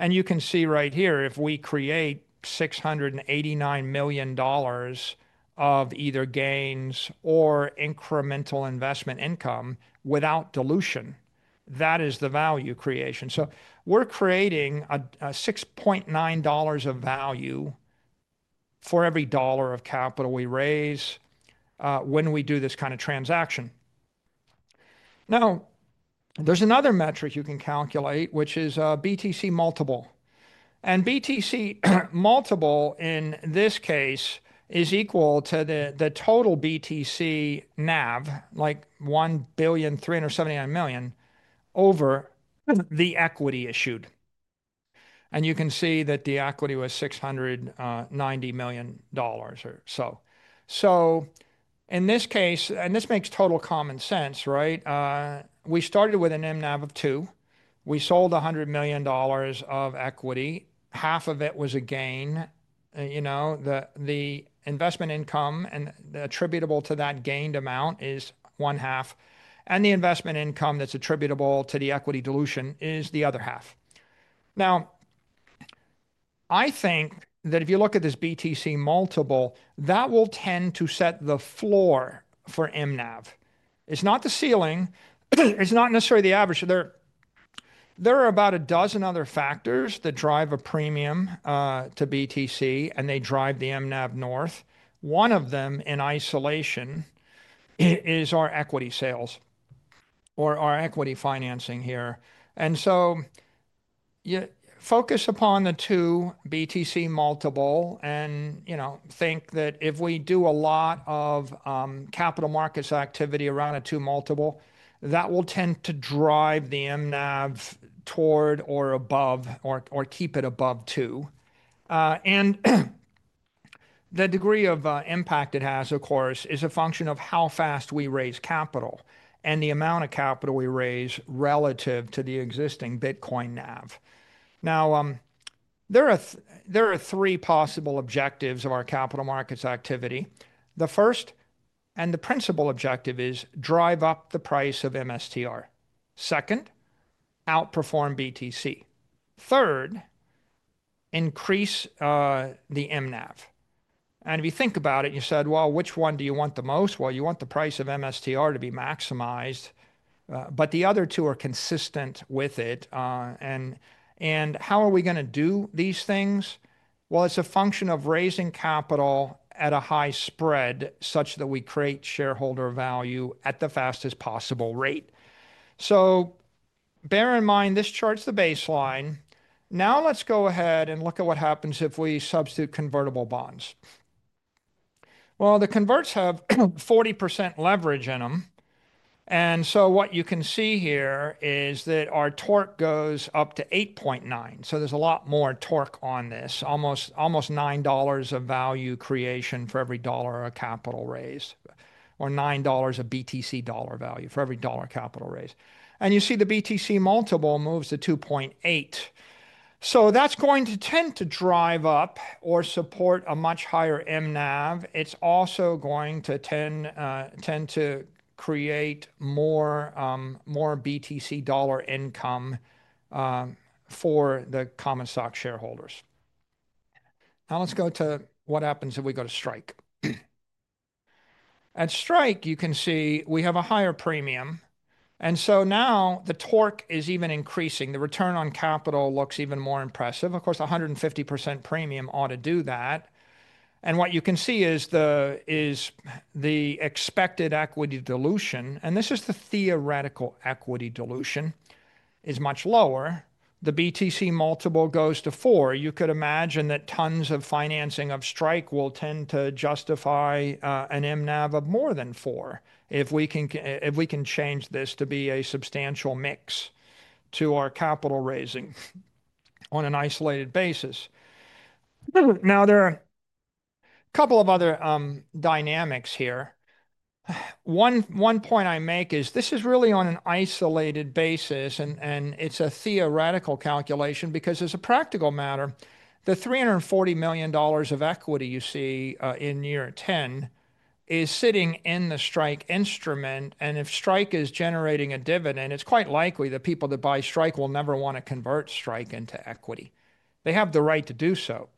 You can see right here, if we create $689 million of either gains or incremental investment income without dilution, that is the value creation. We're creating $6.9 of value for every dollar of capital we raise when we do this kind of transaction. There's another metric you can calculate, which is BTC multiple. BTC multiple in this case is equal to the total BTC NAV, like $1,379 million, over the equity issued. You can see that the equity was $690 million or so. In this case, and this makes total common sense, right? We started with an MNAV of 2. We sold $100 million of equity. Half of it was a gain. You know, the investment income attributable to that gained amount is one half. The investment income that's attributable to the equity dilution is the other half. Now, I think that if you look at this BTC multiple, that will tend to set the floor for MNAV. It's not the ceiling. It's not necessarily the average. There are about a dozen other factors that drive a premium to BTC, and they drive the MNAV north. One of them in isolation is our equity sales or our equity financing here. Focus upon the two BTC multiple and think that if we do a lot of capital markets activity around a two multiple, that will tend to drive the MNAV toward or above or keep it above two. The degree of impact it has, of course, is a function of how fast we raise capital and the amount of capital we raise relative to the existing Bitcoin NAV. There are three possible objectives of our capital markets activity. The first and the principal objective is drive up the price of MSTR. Second, outperform BTC. Third, increase the MNAV. If you think about it, you said, well, which one do you want the most? You want the price of MSTR to be maximized. The other two are consistent with it. How are we going to do these things? It's a function of raising capital at a high spread such that we create shareholder value at the fastest possible rate. Bear in mind, this chart's the baseline. Now let's go ahead and look at what happens if we substitute convertible bonds. The converts have 40% leverage in them. What you can see here is that our torque goes up to 8.9. There's a lot more torque on this, almost $9 of value creation for every dollar of capital raised or $9 of BTC dollar value for every dollar of capital raised. You see the BTC multiple moves to 2.8. That's going to tend to drive up or support a much higher MNAV. It's also going to tend to create more BTC dollar income for the common stock shareholders. Now let's go to what happens if we go to STRK. At STRK, you can see we have a higher premium. Now the torque is even increasing. The return on capital looks even more impressive. Of course, the 150% premium ought to do that. What you can see is the expected equity dilution, and this is the theoretical equity dilution, is much lower. The BTC multiple goes to 4. You could imagine that tons of financing of STRK will tend to justify an MNAV of more than 4 if we can change this to be a substantial mix to our capital raising on an isolated basis. There are a couple of other dynamics here. One point I make is this is really on an isolated basis, and it is a theoretical calculation because as a practical matter, the $340 million of equity you see in year 10 is sitting in the STRK instrument. If STRK is generating a dividend, it's quite likely that people that buy STRK will never want to convert STRK into equity. They have the right to do so,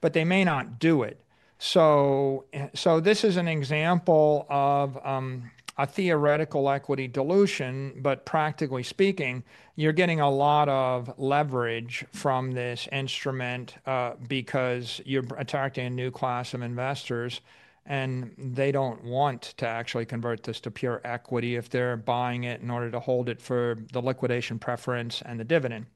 but they may not do it. This is an example of a theoretical equity dilution, but practically speaking, you're getting a lot of leverage from this instrument because you're attracting a new class of investors, and they don't want to actually convert this to pure equity if they're buying it in order to hold it for the liquidation preference and the dividend.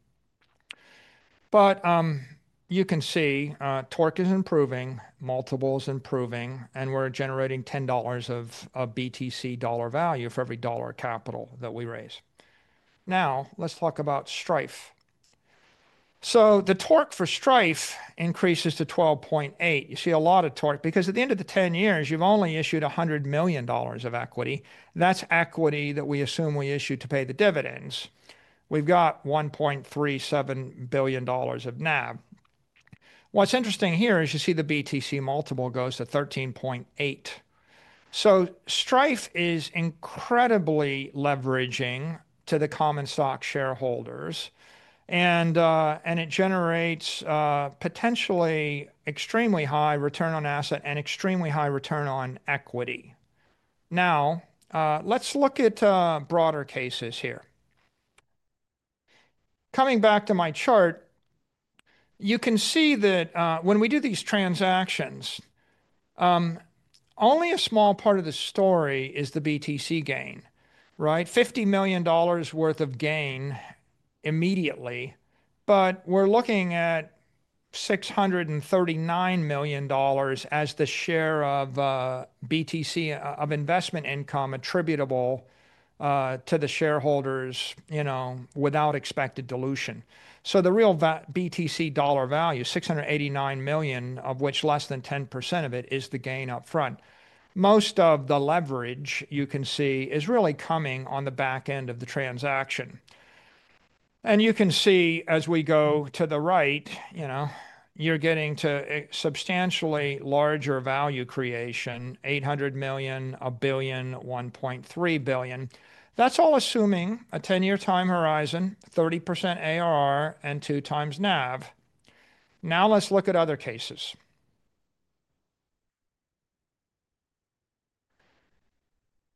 You can see torque is improving, multiple is improving, and we're generating $10 of BTC dollar value for every dollar of capital that we raise. Now, let's talk about STRF. The torque for STRF increases to 12.8. You see a lot of torque because at the end of the 10 years, you've only issued $100 million of equity. That's equity that we assume we issue to pay the dividends. We've got $1.37 billion of NAV. What's interesting here is you see the BTC multiple goes to 13.8. So STRF is incredibly leveraging to the common stock shareholders, and it generates potentially extremely high return on asset and extremely high return on equity. Now, let's look at broader cases here. Coming back to my chart, you can see that when we do these transactions, only a small part of the story is the BTC gain, right? $50 million worth of gain immediately, but we're looking at $639 million as the share of BTC of investment income attributable to the shareholders without expected dilution. The real BTC dollar value, $689 million, of which less than 10% of it is the gain upfront. Most of the leverage you can see is really coming on the back end of the transaction. You can see as we go to the right, you're getting to substantially larger value creation, $800 million, $1 billion, $1.3 billion. That's all assuming a 10-year time horizon, 30% ARR, and 2x NAV. Now let's look at other cases.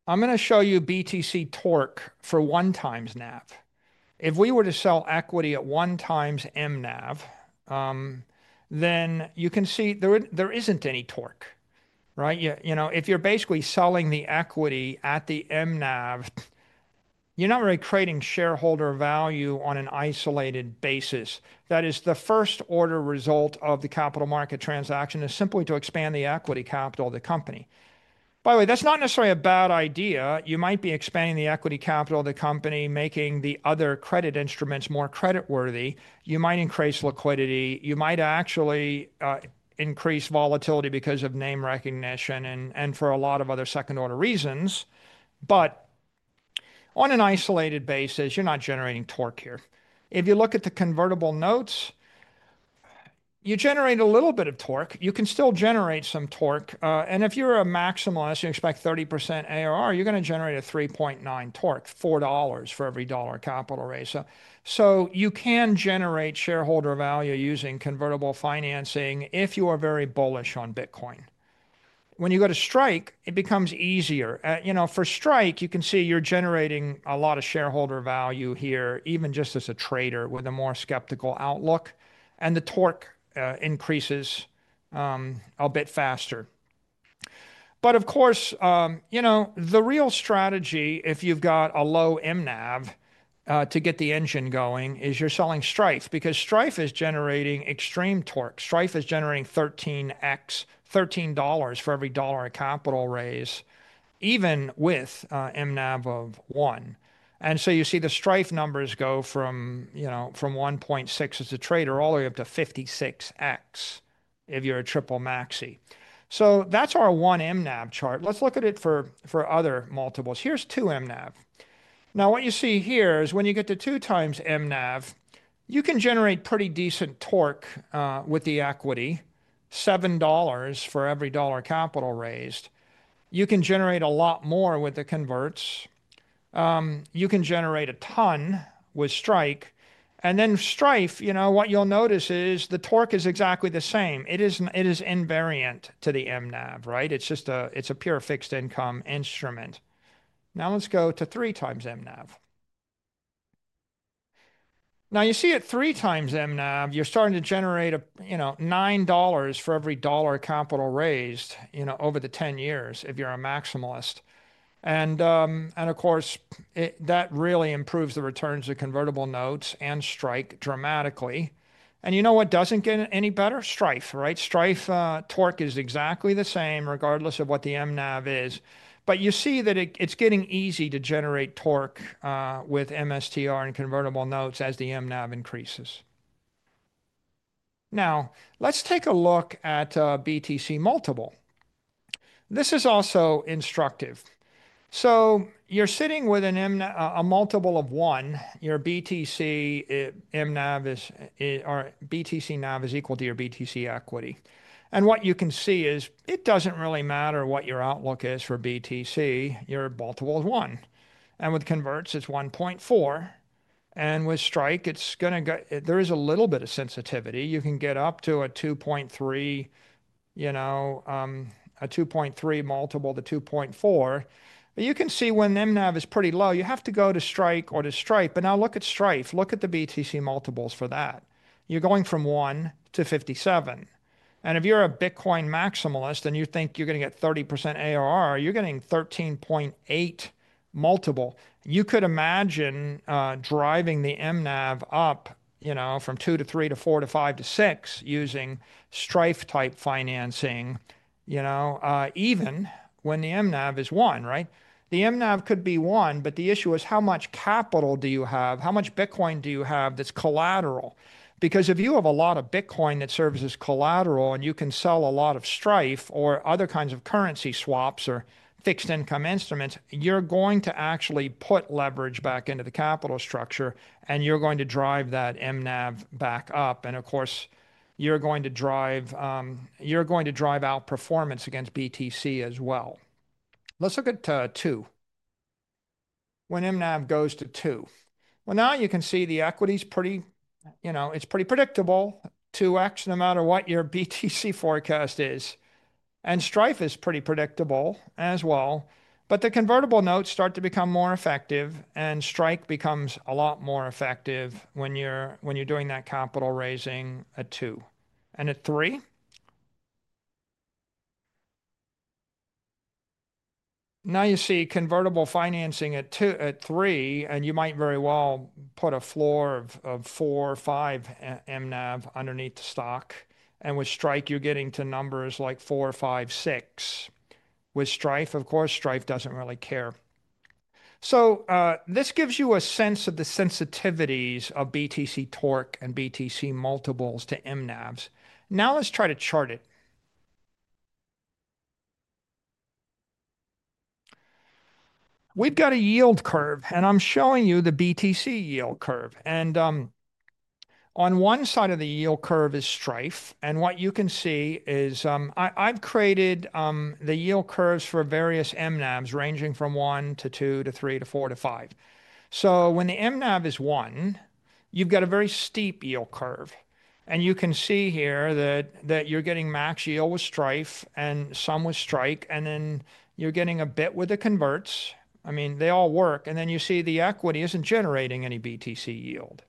I'm going to show you BTC torque for 1x NAV. If we were to sell equity at 1x MNAV, then you can see there isn't any torque, right? If you're basically selling the equity at the MNAV, you're not really creating shareholder value on an isolated basis. That is the first order result of the capital market transaction is simply to expand the equity capital of the company. By the way, that's not necessarily a bad idea. You might be expanding the equity capital of the company, making the other credit instruments more creditworthy. You might increase liquidity. You might actually increase volatility because of name recognition and for a lot of other second-order reasons. On an isolated basis, you're not generating torque here. If you look at the convertible notes, you generate a little bit of torque. You can still generate some torque. If you're a maximalist, you expect 30% ARR, you're going to generate a 3.9 torque, $4 for every dollar of capital raised. You can generate shareholder value using convertible financing if you are very bullish on Bitcoin. When you go to STRK, it becomes easier. For STRK, you can see you're generating a lot of shareholder value here, even just as a trader with a more skeptical outlook. The torque increases a bit faster. Of course, the real strategy, if you've got a low MNAV to get the engine going, is you're selling STRF because STRF is generating extreme torque. STRF is generating $13 for every dollar of capital raise, even with MNAV of 1. You see the STRF numbers go from 1.6 as a trader all the way up to 56x if you're a triple maxi. That's our one MNAV chart. Let's look at it for other multiples. Here's two MNAV. What you see here is when you get to 2x MNAV, you can generate pretty decent torque with the equity, $7 for every dollar capital raised. You can generate a lot more with the converts. You can generate a ton with STRK. STRF, you know what you'll notice is the torque is exactly the same. It is invariant to the MNAV, right? It's just a pure fixed income instrument. Now let's go to 3x MNAV. Now, you see at 3x MNAV, you're starting to generate $9 for every dollar capital raised over the 10 years if you're a maximalist. And of course, that really improves the returns of convertible notes and STRK dramatically. You know what doesn't get any better? STRF, right? STRF torque is exactly the same regardless of what the MNAV is. You see that it's getting easy to generate torque with MSTR and convertible notes as the MNAV increases. Now, let's take a look at BTC multiple. This is also instructive. You're sitting with a multiple of 1. Your BTC MNAV or BTC NAV is equal to your BTC equity. What you can see is it doesn't really matter what your outlook is for BTC. Your multiple is 1. And with converts, it's 1.4. And with STRK, it's going to go there is a little bit of sensitivity. You can get up to a 2.3, you know, a 2.3 multiple to 2.4. But you can see when MNAV is pretty low, you have to go to STRK or to STRF. But now look at STRF. Look at the BTC multiples for that. You're going from 1 to 57. And if you're a Bitcoin maximalist and you think you're going to get 30% ARR, you're getting 13.8 multiple. You could imagine driving the MNAV up from 2 to 3 to 4 to 5 to 6 using STRF-type financing, you know, even when the MNAV is 1, right? The MNAV could be 1, but the issue is how much capital do you have? How much Bitcoin do you have that's collateral? Because if you have a lot of Bitcoin that serves as collateral and you can sell a lot of STRF or other kinds of currency swaps or fixed income instruments, you're going to actually put leverage back into the capital structure and you're going to drive that MNAV back up. Of course, you're going to drive outperformance against BTC as well. Let's look at 2. When MNAV goes to 2, you can see the equity's pretty, you know, it's pretty predictable, 2x no matter what your BTC forecast is. STRF is pretty predictable as well. The convertible notes start to become more effective and STRK becomes a lot more effective when you're doing that capital raising at 2. At 3? Now you see convertible financing at 3, and you might very well put a floor of 4-5 MNAV underneath the stock. With STRK, you're getting to numbers like 4, 5, 6. With STRF, of course, STRF does not really care. This gives you a sense of the sensitivities of BTC torque and BTC multiples to MNAVs. Now let's try to chart it. We have a yield curve, and I am showing you the BTC yield curve. On one side of the yield curve is STRF. What you can see is I have created the yield curves for various MNAVs ranging from 1-2-3-4-5. When the MNAV is 1, you have a very steep yield curve. You can see here that you are getting max yield with STRF and some with STRK. Then you are getting a bit with the converts. I mean, they all work. You see the equity is not generating any BTC yield.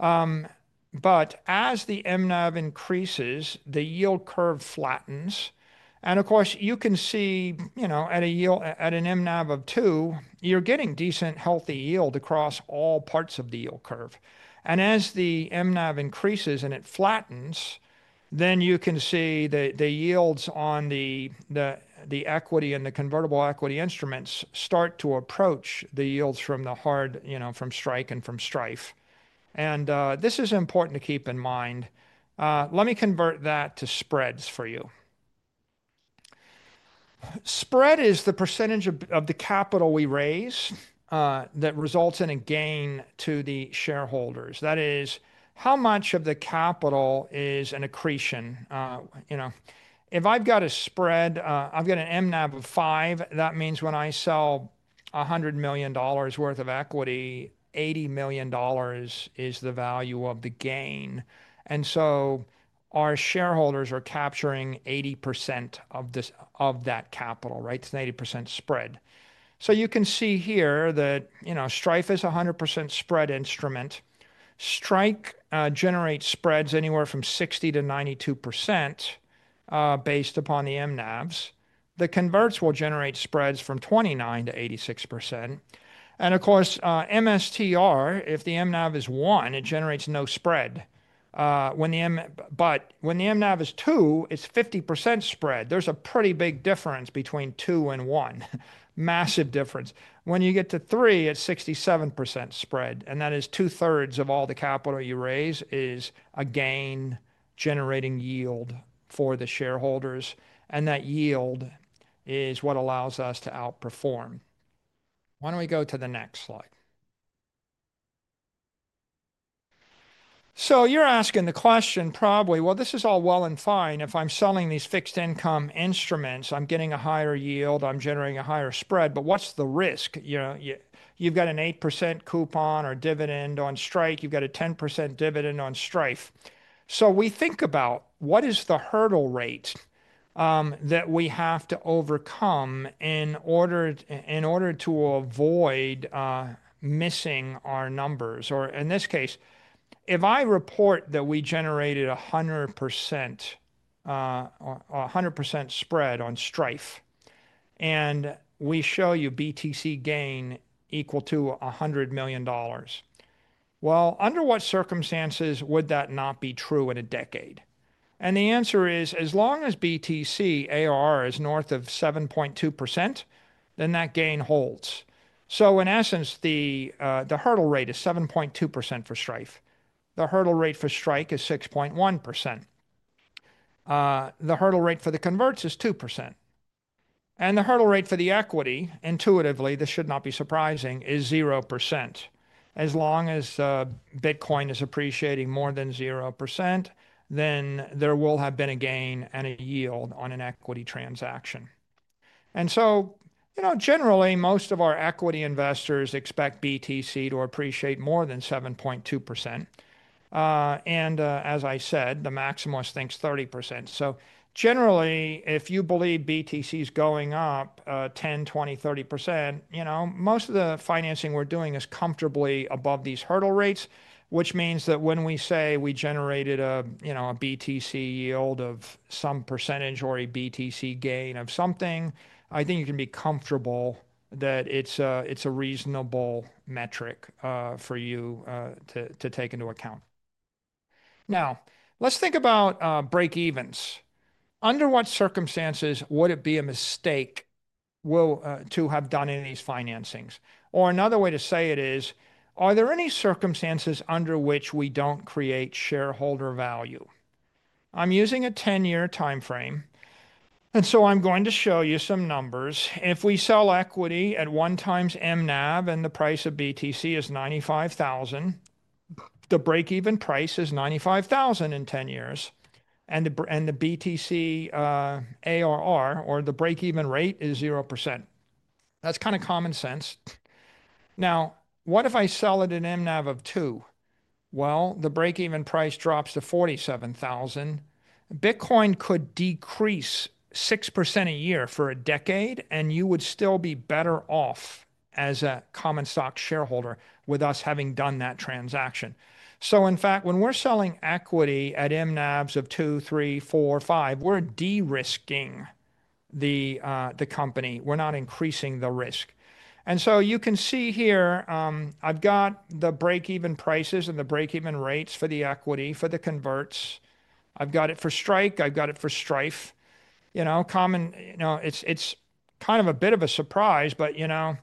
As the MNAV increases, the yield curve flattens. Of course, you can see, you know, at an MNAV of 2, you're getting decent, healthy yield across all parts of the yield curve. As the MNAV increases and it flattens, you can see the yields on the equity and the convertible equity instruments start to approach the yields from the hard, you know, from STRK and from STRF. This is important to keep in mind. Let me convert that to spreads for you. Spread is the percentage of the capital we raise that results in a gain to the shareholders. That is how much of the capital is an accretion. You know, if I've got a spread, I've got an MNAV of 5, that means when I sell $100 million worth of equity, $80 million is the value of the gain. Our shareholders are capturing 80% of that capital, right? It is an 80% spread. You can see here that, you know, STRF is a 100% spread instrument. STRK generates spreads anywhere from 60%-92% based upon the MNAVs. The converts will generate spreads from 29%-86%. Of course, MSTR, if the MNAV is 1, it generates no spread. When the MNAV is 2, it is a 50% spread. There is a pretty big difference between 2 and 1, massive difference. When you get to 3, it is a 67% spread. That is 2/3 of all the capital you raise is a gain generating yield for the shareholders. That yield is what allows us to outperform. Why do we go to the next slide? You are asking the question probably, this is all well and fine. If I'm selling these fixed income instruments, I'm getting a higher yield, I'm generating a higher spread, but what's the risk? You've got an 8% coupon or dividend on STRK, you've got a 10% dividend on STRF. We think about what is the hurdle rate that we have to overcome in order to avoid missing our numbers. In this case, if I report that we generated 100% spread on STRF and we show you BTC gain equal to $100 million, under what circumstances would that not be true in a decade? The answer is, as long as BTC ARR is north of 7.2%, then that gain holds. In essence, the hurdle rate is 7.2% for STRF. The hurdle rate for STRK is 6.1%. The hurdle rate for the converts is 2%. The hurdle rate for the equity, intuitively, this should not be surprising, is 0%. As long as Bitcoin is appreciating more than 0%, then there will have been a gain and a yield on an equity transaction. You know, generally, most of our equity investors expect BTC to appreciate more than 7.2%. As I said, the maximalist thinks 30%. Generally, if you believe BTC is going up 10%-20%-30%, you know, most of the financing we're doing is comfortably above these hurdle rates, which means that when we say we generated a BTC yield of some percentage or a BTC gain of something, I think you can be comfortable that it's a reasonable metric for you to take into account. Now, let's think about breakevens. Under what circumstances would it be a mistake to have done any of these financings? Another way to say it is, are there any circumstances under which we do not create shareholder value? I am using a 10-year timeframe. I am going to show you some numbers. If we sell equity at 1x MNAV and the price of BTC is $95,000, the breakeven price is $95,000 in 10 years. The BTC ARR, or the breakeven rate, is 0%. That is kind of common sense. Now, if I sell at an MNAV of 2, the breakeven price drops to $47,000. Bitcoin could decrease 6% a year for a decade, and you would still be better off as a common stock shareholder with us having done that transaction. In fact, when we are selling equity at MNAVs of 2, 3, 4, 5, we are de-risking the company. We are not increasing the risk. You can see here, I've got the breakeven prices and the breakeven rates for the equity, for the converts. I've got it for STRK. I've got it for STRF. You know, common, you know, it's kind of a bit of a surprise, but you know,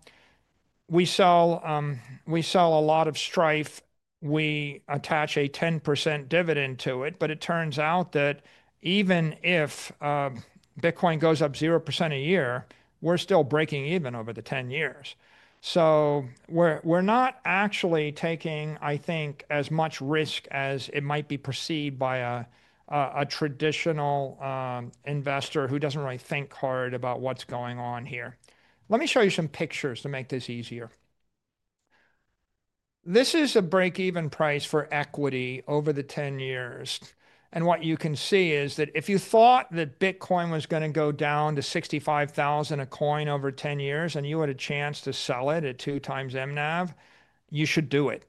we sell a lot of STRF. We attach a 10% dividend to it. It turns out that even if Bitcoin goes up 0% a year, we're still breaking even over the 10 years. We're not actually taking, I think, as much risk as it might be perceived by a traditional investor who doesn't really think hard about what's going on here. Let me show you some pictures to make this easier. This is a breakeven price for equity over the 10 years. What you can see is that if you thought that Bitcoin was going to go down to $65,000 a coin over 10 years and you had a chance to sell it at 2x MNAV, you should do it,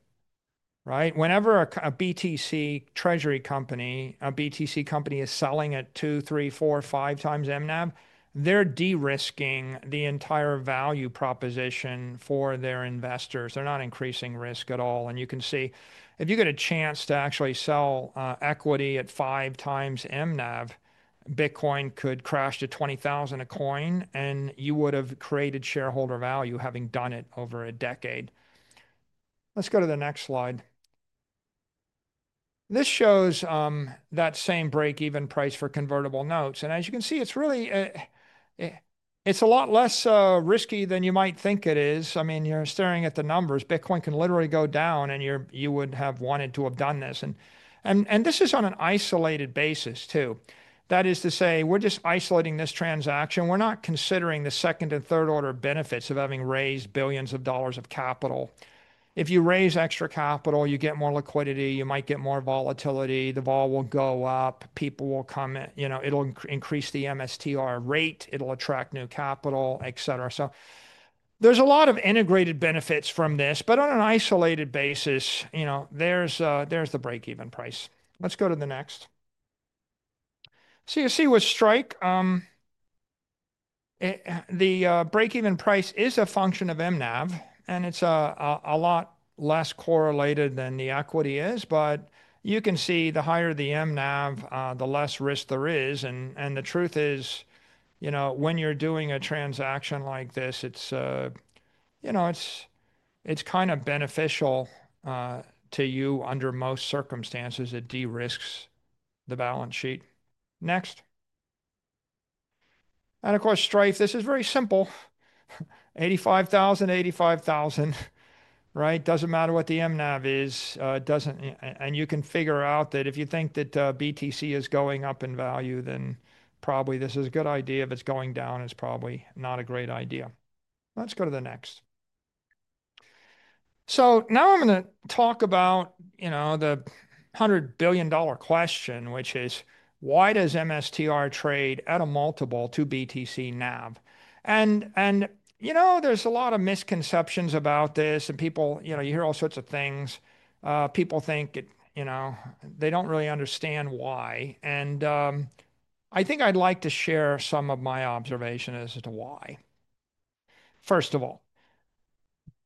right? Whenever a BTC treasury company, a BTC company is selling at 2x, 3x, 4x, 5x MNAV, they're de-risking the entire value proposition for their investors. They're not increasing risk at all. You can see if you get a chance to actually sell equity at 5x MNAV, Bitcoin could crash to $20,000 a coin, and you would have created shareholder value having done it over a decade. Let's go to the next slide. This shows that same breakeven price for convertible notes. As you can see, it's really, it's a lot less risky than you might think it is. I mean, you're staring at the numbers. Bitcoin can literally go down, and you would have wanted to have done this. This is on an isolated basis, too. That is to say, we're just isolating this transaction. We're not considering the second and third order benefits of having raised billions of dollars of capital. If you raise extra capital, you get more liquidity, you might get more volatility, the vol will go up, people will come, you know, it'll increase the MSTR rate, it'll attract new capital, etc. There are a lot of integrated benefits from this. On an isolated basis, you know, there's the breakeven price. Let's go to the next. You see with STRK, the breakeven price is a function of MNAV, and it's a lot less correlated than the equity is. You can see the higher the MNAV, the less risk there is. The truth is, you know, when you're doing a transaction like this, it's kind of beneficial to you under most circumstances. It de-risks the balance sheet. Next. Of course, STRF, this is very simple. 85,000, 85,000, right? Doesn't matter what the MNAV is. You can figure out that if you think that BTC is going up in value, then probably this is a good idea. If it's going down, it's probably not a great idea. Let's go to the next. Now I'm going to talk about, you know, the $100 billion question, which is, why does MSTR trade at a multiple to BTC NAV? There are a lot of misconceptions about this. People, you know, you hear all sorts of things. People think it, you know, they don't really understand why. I think I'd like to share some of my observations as to why. First of all,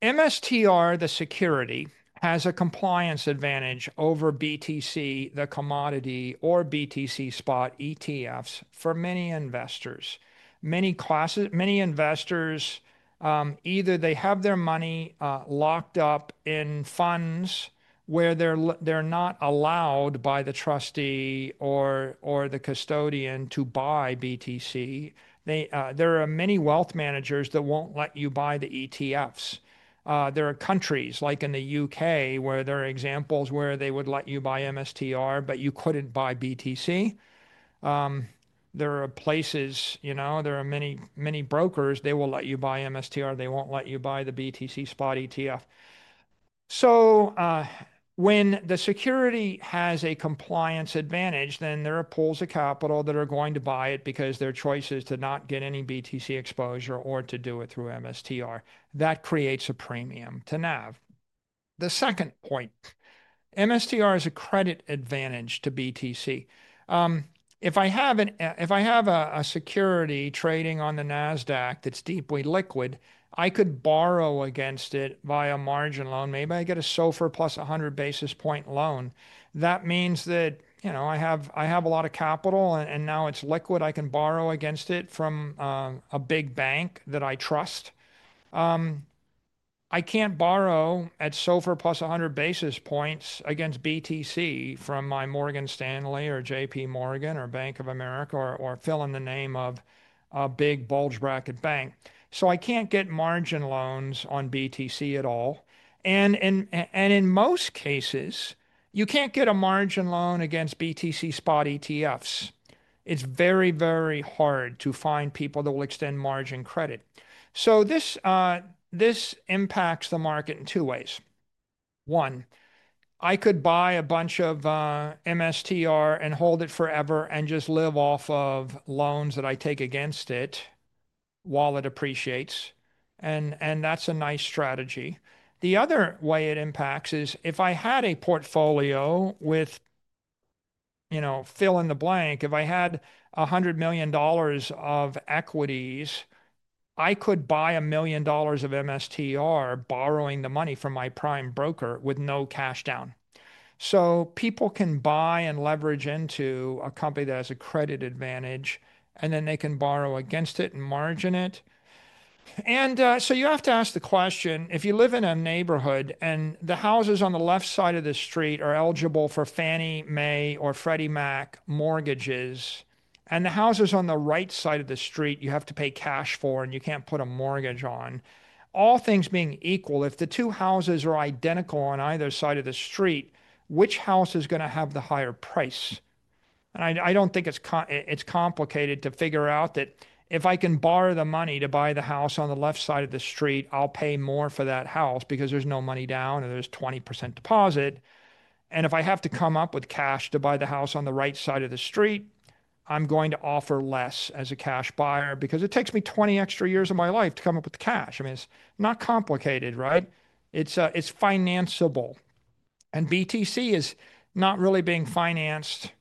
MSTR, the security, has a compliance advantage over BTC, the commodity, or BTC spot ETFs for many investors. Many classes, many investors, either they have their money locked up in funds where they're not allowed by the trustee or the custodian to buy BTC. There are many wealth managers that won't let you buy the ETFs. There are countries, like in the U.K., where there are examples where they would let you buy MSTR, but you couldn't buy BTC. There are places, you know, there are many, many brokers. They will let you buy MSTR. They won't let you buy the BTC spot ETF. When the security has a compliance advantage, then there are pools of capital that are going to buy it because their choice is to not get any BTC exposure or to do it through MSTR. That creates a premium to NAV. The second point, MSTR is a credit advantage to BTC. If I have a security trading on the Nasdaq that's deeply liquid, I could borrow against it via margin loan. Maybe I get a SOFR +100 basis point loan. That means that, you know, I have a lot of capital and now it's liquid. I can borrow against it from a big bank that I trust. I can't borrow at SOFR +100 basis points against BTC from my Morgan Stanley or JPMorgan or Bank of America or fill in the name of a big bulge bracket bank. I can't get margin loans on BTC at all. In most cases, you can't get a margin loan against BTC spot ETFs. It's very, very hard to find people that will extend margin credit. This impacts the market in two ways. One, I could buy a bunch of MSTR and hold it forever and just live off of loans that I take against it while it appreciates. That's a nice strategy. The other way it impacts is if I had a portfolio with, you know, fill in the blank, if I had $100 million of equities, I could buy $1 million of MSTR borrowing the money from my prime broker with no cash down. People can buy and leverage into a company that has a credit advantage, and then they can borrow against it and margin it. You have to ask the question, if you live in a neighborhood and the houses on the left side of the street are eligible for Fannie Mae or Freddie Mac mortgages, and the houses on the right side of the street you have to pay cash for and you can't put a mortgage on, all things being equal, if the two houses are identical on either side of the street, which house is going to have the higher price? I don't think it's complicated to figure out that if I can borrow the money to buy the house on the left side of the street, I'll pay more for that house because there's no money down and there's a 20% deposit. If I have to come up with cash to buy the house on the right side of the street, I'm going to offer less as a cash buyer because it takes me 20 extra years of my life to come up with cash. I mean, it's not complicated, right? It's financeable. BTC is not really being financed.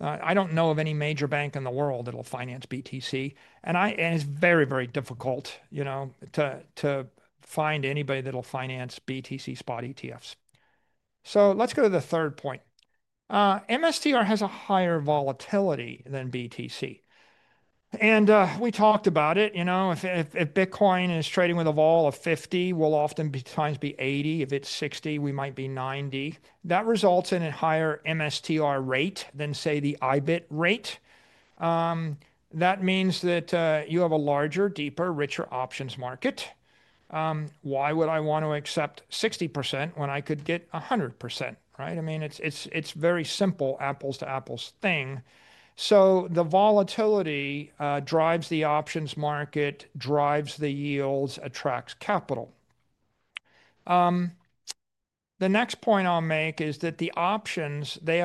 I don't know of any major bank in the world that will finance BTC. It's very, very difficult, you know, to find anybody that will finance BTC spot ETFs. Let's go to the third point. MSTR has a higher volatility than BTC. We talked about it. You know, if Bitcoin is trading with a vol of 50, we'll oftentimes be 80. If it's 60, we might be 90. That results in a higher MSTR rate than, say, the IBIT rate. That means that you have a larger, deeper, richer options market. Why would I want to accept 60% when I could get 100%, right? I mean, it's very simple, apples to apples thing. The volatility drives the options market, drives the yields, attracts capital. The next point I'll make is that the options, they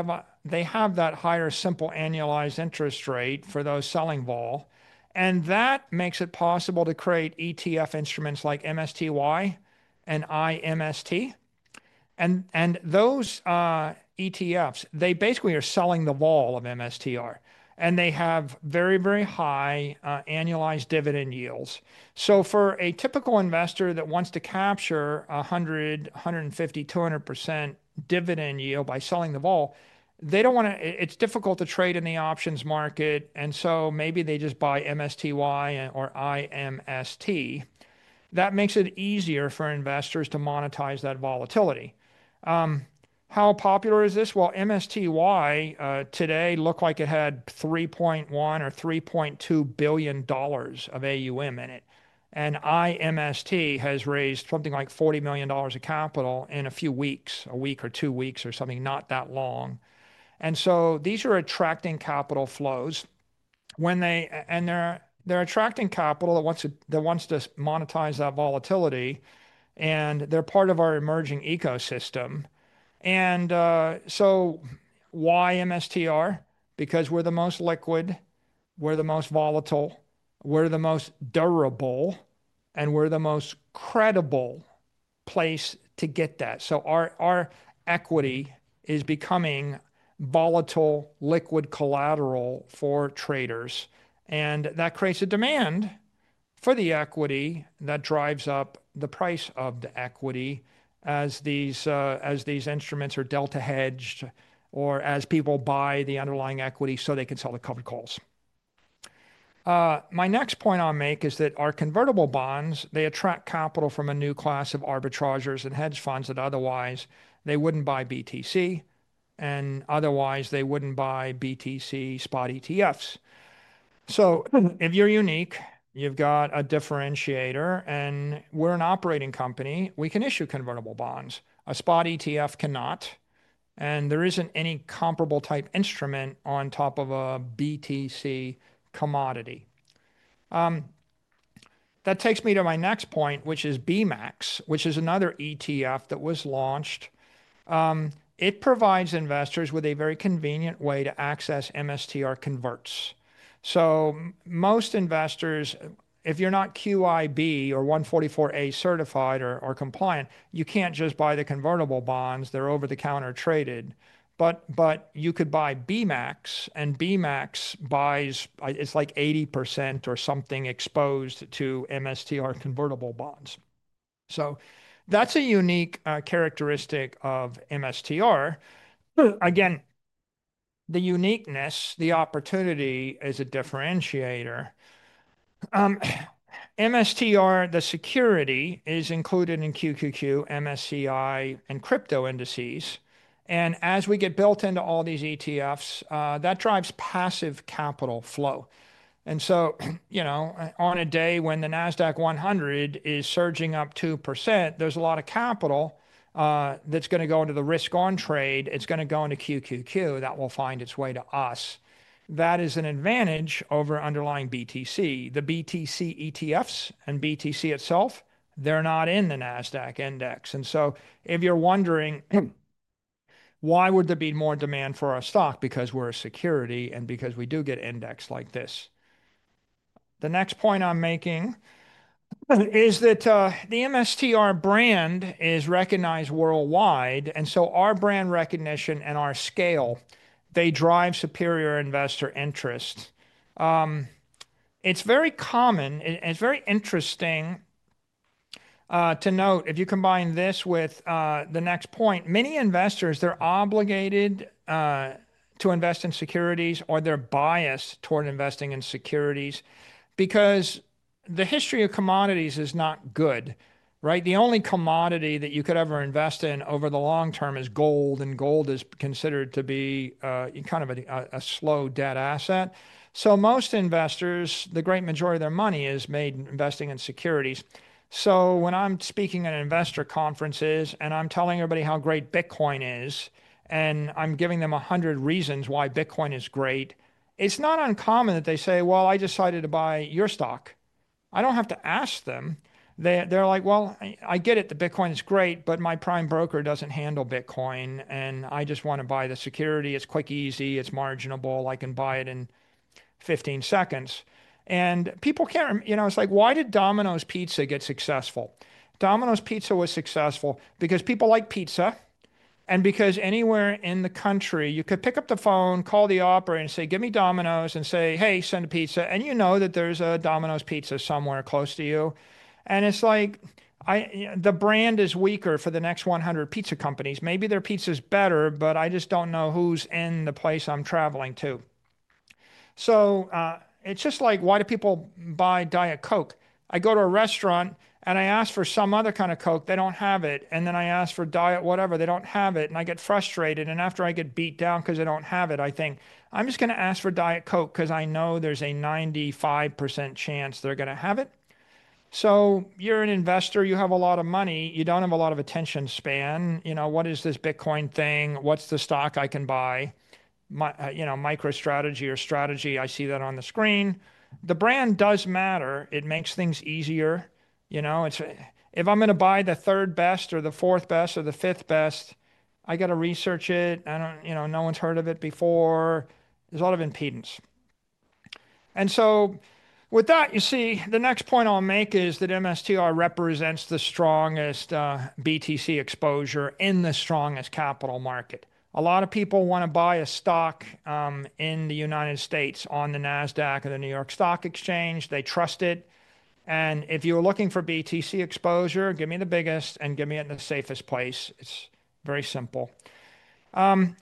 have that higher simple annualized interest rate for those selling vol. That makes it possible to create ETF instruments like MSTY and IMST. Those ETFs, they basically are selling the vol of MSTR. They have very, very high annualized dividend yields. For a typical investor that wants to capture 100%, 150%, 200% dividend yield by selling the vol, they don't want to, it's difficult to trade in the options market. Maybe they just buy MSTY or IMST. That makes it easier for investors to monetize that volatility. How popular is this? MSTY today looked like it had $3.1 billion or $3.2 billion of AUM in it. IMST has raised something like $40 million of capital in a few weeks, a week or two weeks or something, not that long. These are attracting capital flows. They are attracting capital that wants to monetize that volatility. They are part of our emerging ecosystem. Why MSTR? Because we are the most liquid, we are the most volatile, we are the most durable, and we are the most credible place to get that. Our equity is becoming volatile, liquid collateral for traders. That creates a demand for the equity that drives up the price of the equity as these instruments are delta hedged or as people buy the underlying equity so they can sell the covered calls. My next point I'll make is that our convertible bonds, they attract capital from a new class of arbitrageurs and hedge funds that otherwise they wouldn't buy BTC and otherwise they wouldn't buy BTC spot ETFs. If you're unique, you've got a differentiator. We're an operating company. We can issue convertible bonds. A spot ETF cannot. There isn't any comparable type instrument on top of a BTC commodity. That takes me to my next point, which is BMAX, which is another ETF that was launched. It provides investors with a very convenient way to access MSTR converts. Most investors, if you're not QIB or 144A certified or compliant, you can't just buy the convertible bonds. They're over-the-counter traded. You could buy BMAX. BMAX buys, it's like 80% or something exposed to MSTR convertible bonds. That's a unique characteristic of MSTR. Again, the uniqueness, the opportunity is a differentiator. MSTR, the security, is included in QQQ, MSCI, and crypto indices. As we get built into all these ETFs, that drives passive capital flow. You know, on a day when the Nasdaq 100 is surging up 2%, there's a lot of capital that's going to go into the risk on trade. It's going to go into QQQ that will find its way to us. That is an advantage over underlying BTC. The BTC ETFs and BTC itself, they're not in the Nasdaq index. If you're wondering, why would there be more demand for our stock? Because we're a security and because we do get indexed like this. The next point I'm making is that the MSTR brand is recognized worldwide. Our brand recognition and our scale, they drive superior investor interest. It's very common, and it's very interesting to note. If you combine this with the next point, many investors, they're obligated to invest in securities or they're biased toward investing in securities because the history of commodities is not good, right? The only commodity that you could ever invest in over the long term is gold. And gold is considered to be kind of a slow debt asset. So most investors, the great majority of their money is made investing in securities. When I'm speaking at investor conferences and I'm telling everybody how great Bitcoin is and I'm giving them 100 reasons why Bitcoin is great, it's not uncommon that they say, well, I decided to buy your stock. I don't have to ask them. They're like, well, I get it that Bitcoin is great, but my prime broker doesn't handle Bitcoin. I just want to buy the security. It's quick, easy, it's marginable. I can buy it in 15 seconds. People can't, you know, it's like, why did Domino's Pizza get successful? Domino's Pizza was successful because people like pizza and because anywhere in the country, you could pick up the phone, call the operator and say, give me Domino's and say, hey, send a pizza. You know that there's a Domino's Pizza somewhere close to you. The brand is weaker for the next 100 pizza companies. Maybe their pizza is better, but I just don't know who's in the place I'm traveling to. It's just like, why do people buy Diet Coke? I go to a restaurant and I ask for some other kind of Coke. They don't have it. Then I ask for Diet whatever. They don't have it. I get frustrated. After I get beat down because they do not have it, I think, I am just going to ask for Diet Coke because I know there is a 95% chance they are going to have it. You are an investor. You have a lot of money. You do not have a lot of attention span. You know, what is this Bitcoin thing? What is the stock I can buy? You know, MicroStrategy or Strategy. I see that on the screen. The brand does matter. It makes things easier. You know, if I am going to buy the third best or the fourth best or the fifth best, I have to research it. You know, no one has heard of it before. There is a lot of impedance. With that, you see, the next point I will make is that MSTR represents the strongest BTC exposure in the strongest capital market. A lot of people want to buy a stock in the United States on the Nasdaq or the New York Stock Exchange. They trust it. If you're looking for BTC exposure, give me the biggest and give me it in the safest place. It's very simple. The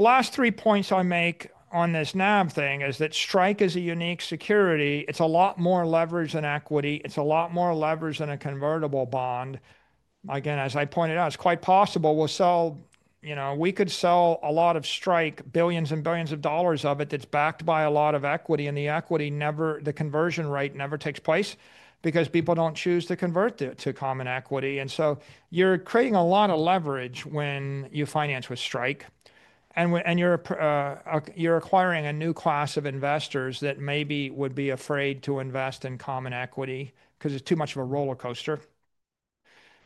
last three points I make on this NAV thing is that STRK is a unique security. It's a lot more leverage than equity. It's a lot more leverage than a convertible bond. Again, as I pointed out, it's quite possible. We'll sell, you know, we could sell a lot of STRK, billions and billions of dollars of it that's backed by a lot of equity. The equity never, the conversion rate never takes place because people don't choose to convert to common equity. You are creating a lot of leverage when you finance with STRK. You're acquiring a new class of investors that maybe would be afraid to invest in common equity because it's too much of a roller coaster.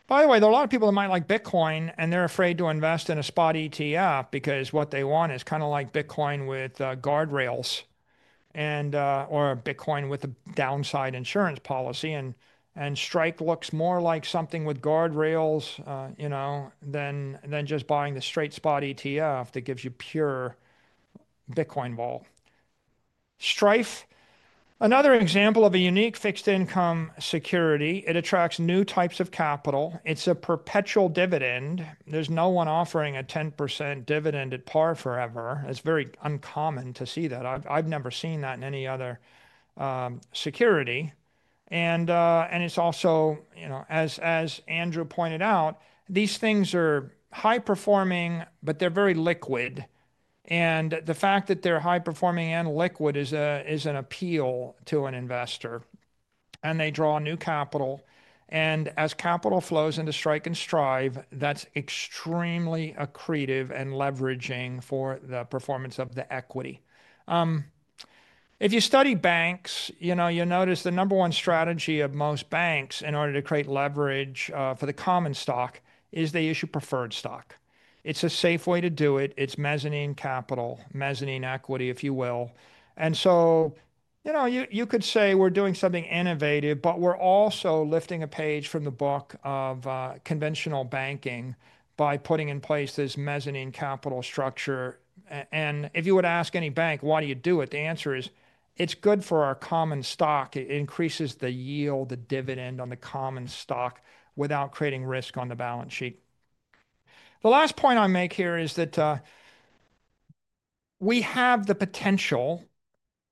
By the way, there are a lot of people that might like Bitcoin and they're afraid to invest in a spot ETF because what they want is kind of like Bitcoin with guardrails and/or Bitcoin with a downside insurance policy. STRK looks more like something with guardrails, you know, than just buying the straight spot ETF that gives you pure Bitcoin vol. STRF, another example of a unique fixed income security. It attracts new types of capital. It's a perpetual dividend. There's no one offering a 10% dividend at par forever. It's very uncommon to see that. I've never seen that in any other security. It's also, you know, as Andrew pointed out, these things are high performing, but they're very liquid. The fact that they're high performing and liquid is an appeal to an investor. They draw new capital. As capital flows into STRK and STRF, that's extremely accretive and leveraging for the performance of the equity. If you study banks, you know, you notice the number one strategy of most banks in order to create leverage for the common stock is they issue preferred stock. It's a safe way to do it. It's mezzanine capital, mezzanine equity, if you will. You know, you could say we're doing something innovative, but we're also lifting a page from the book of conventional banking by putting in place this mezzanine capital structure. If you would ask any bank, why do you do it? The answer is it's good for our common stock. It increases the yield, the dividend on the common stock without creating risk on the balance sheet. The last point I make here is that we have the potential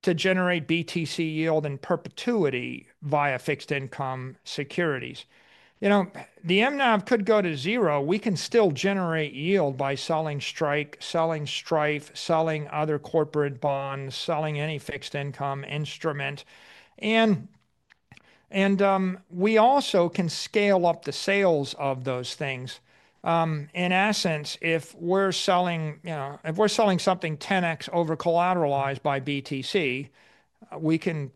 to generate BTC yield in perpetuity via fixed income securities. You know, the MNAV could go to zero. We can still generate yield by selling STRK, selling STRF, selling other corporate bonds, selling any fixed income instrument. We also can scale up the sales of those things. In essence, if we're selling, you know, if we're selling something 10x over-collateralized by BTC, we can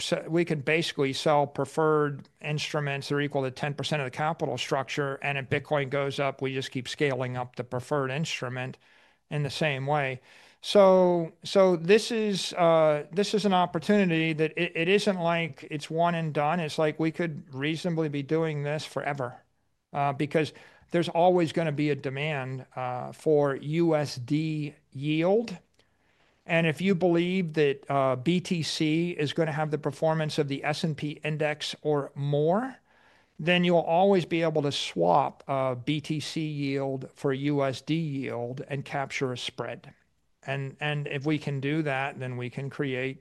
basically sell preferred instruments that are equal to 10% of the capital structure. If Bitcoin goes up, we just keep scaling up the preferred instrument in the same way. This is an opportunity that it isn't like it's one and done. It's like we could reasonably be doing this forever because there's always going to be a demand for USD yield. If you believe that BTC is going to have the performance of the S&P index or more, then you'll always be able to swap BTC yield for USD yield and capture a spread. If we can do that, then we can create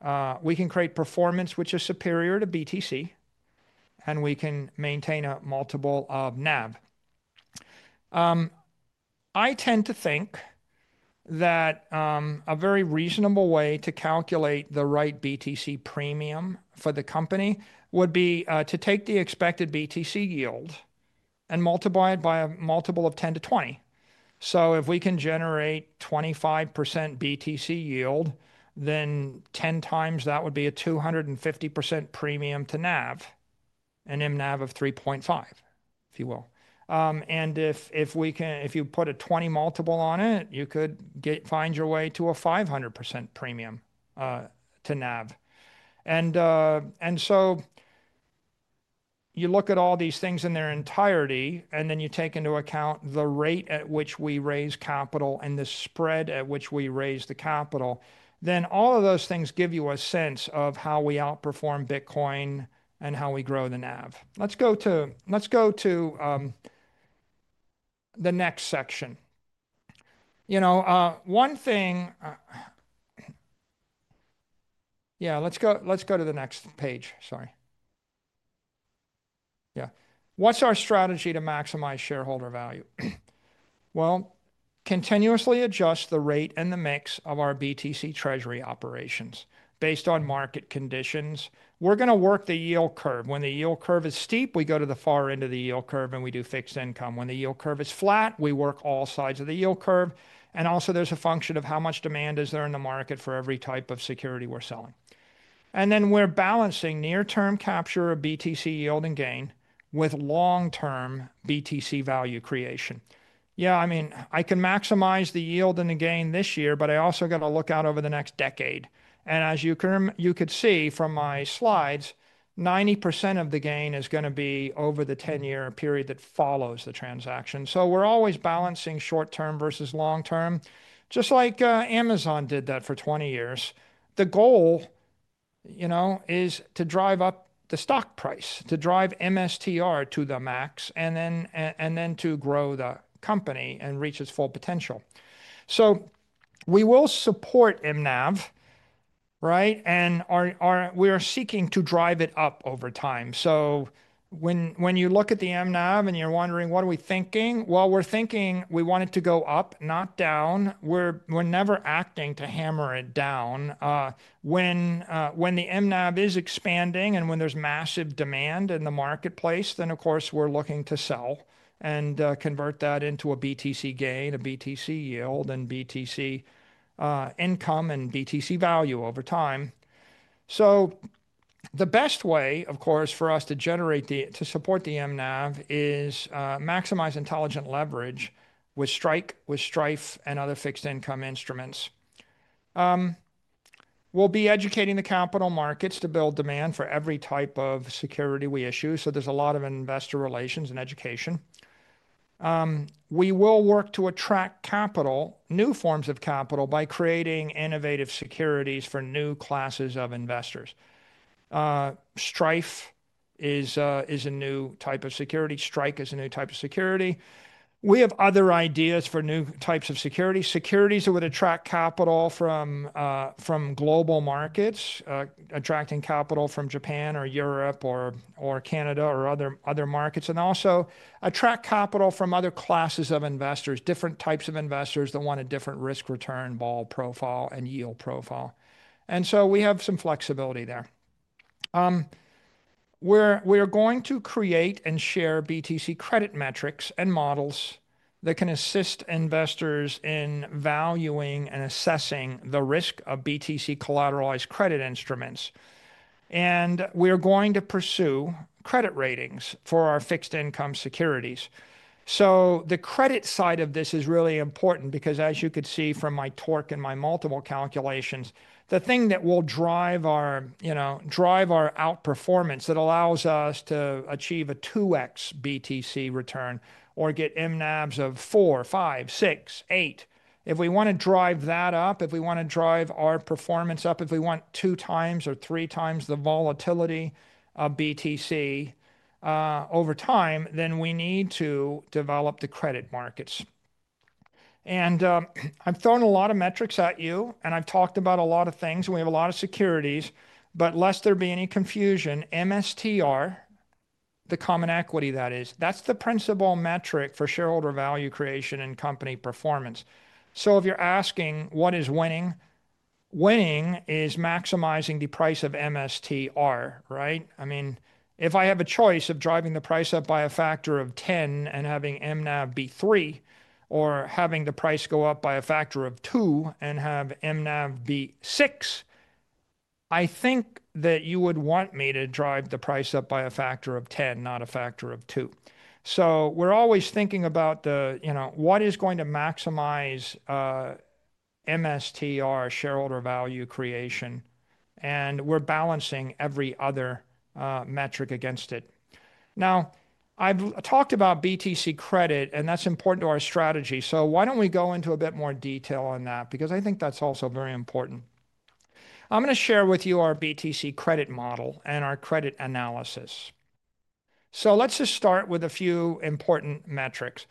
performance which is superior to BTC. We can maintain a multiple of NAV. I tend to think that a very reasonable way to calculate the right BTC premium for the company would be to take the expected BTC yield and multiply it by a multiple of 10-20. If we can generate 25% BTC yield, then 10x that would be a 250% premium to NAV, an MNAV of 3.5, if you will. If we can, if you put a 20 multiple on it, you could find your way to a 500% premium to NAV. You look at all these things in their entirety, and then you take into account the rate at which we raise capital and the spread at which we raise the capital, then all of those things give you a sense of how we outperform Bitcoin and how we grow the NAV. Let's go to the next section. You know, one thing, yeah, let's go to the next page. Sorry. Yeah. What's our strategy to maximize shareholder value? Continuously adjust the rate and the mix of our BTC treasury operations based on market conditions. We're going to work the yield curve. When the yield curve is steep, we go to the far end of the yield curve and we do fixed income. When the yield curve is flat, we work all sides of the yield curve. Also, there's a function of how much demand is there in the market for every type of security we're selling. Then we're balancing near-term capture of BTC yield and gain with long-term BTC value creation. Yeah, I mean, I can maximize the yield and the gain this year, but I also got to look out over the next decade. As you could see from my slides, 90% of the gain is going to be over the 10-year period that follows the transaction. We are always balancing short-term versus long-term, just like Amazon did that for 20 years. The goal, you know, is to drive up the stock price, to drive MSTR to the max, and then to grow the company and reach its full potential. We will support MNAV, right? We are seeking to drive it up over time. When you look at the MNAV and you're wondering, what are we thinking? We are thinking we want it to go up, not down. We're never acting to hammer it down. When the MNAV is expanding and when there's massive demand in the marketplace, of course we're looking to sell and convert that into a BTC gain, a BTC yield, and BTC income and BTC value over time. The best way, of course, for us to generate the, to support the MNAV is maximize intelligent leverage with STRK, with STRF and other fixed income instruments. We'll be educating the capital markets to build demand for every type of security we issue. There's a lot of investor relations and education. We will work to attract capital, new forms of capital by creating innovative securities for new classes of investors. STRF is a new type of security. STRK is a new type of security. We have other ideas for new types of securities. Securities that would attract capital from global markets, attracting capital from Japan or Europe or Canada or other markets, and also attract capital from other classes of investors, different types of investors that want a different risk-return ball profile and yield profile. We have some flexibility there. We are going to create and share BTC credit metrics and models that can assist investors in valuing and assessing the risk of BTC collateralized credit instruments. We are going to pursue credit ratings for our fixed income securities. The credit side of this is really important because as you could see from my torque and my multiple calculations, the thing that will drive our, you know, drive our outperformance that allows us to achieve a 2x BTC return or get MNAVs of 4, 5, 6, 8. If we want to drive that up, if we want to drive our performance up, if we want 2x or 3x the volatility of BTC over time, then we need to develop the credit markets. I have thrown a lot of metrics at you, and I have talked about a lot of things, and we have a lot of securities, but lest there be any confusion, MSTR, the common equity that is, that is the principal metric for shareholder value creation and company performance. If you are asking what is winning, winning is maximizing the price of MSTR, right? I mean, if I have a choice of driving the price up by a factor of 10 and having MNAV be 3 or having the price go up by a factor of 2 and have MNAV be 6, I think that you would want me to drive the price up by a factor of 10, not a factor of 2. We are always thinking about the, you know, what is going to maximize MSTR shareholder value creation, and we are balancing every other metric against it. Now, I have talked about BTC credit, and that is important to our strategy. Why do we not go into a bit more detail on that? Because I think that is also very important. I am going to share with you our BTC credit model and our credit analysis. Let us just start with a few important metrics.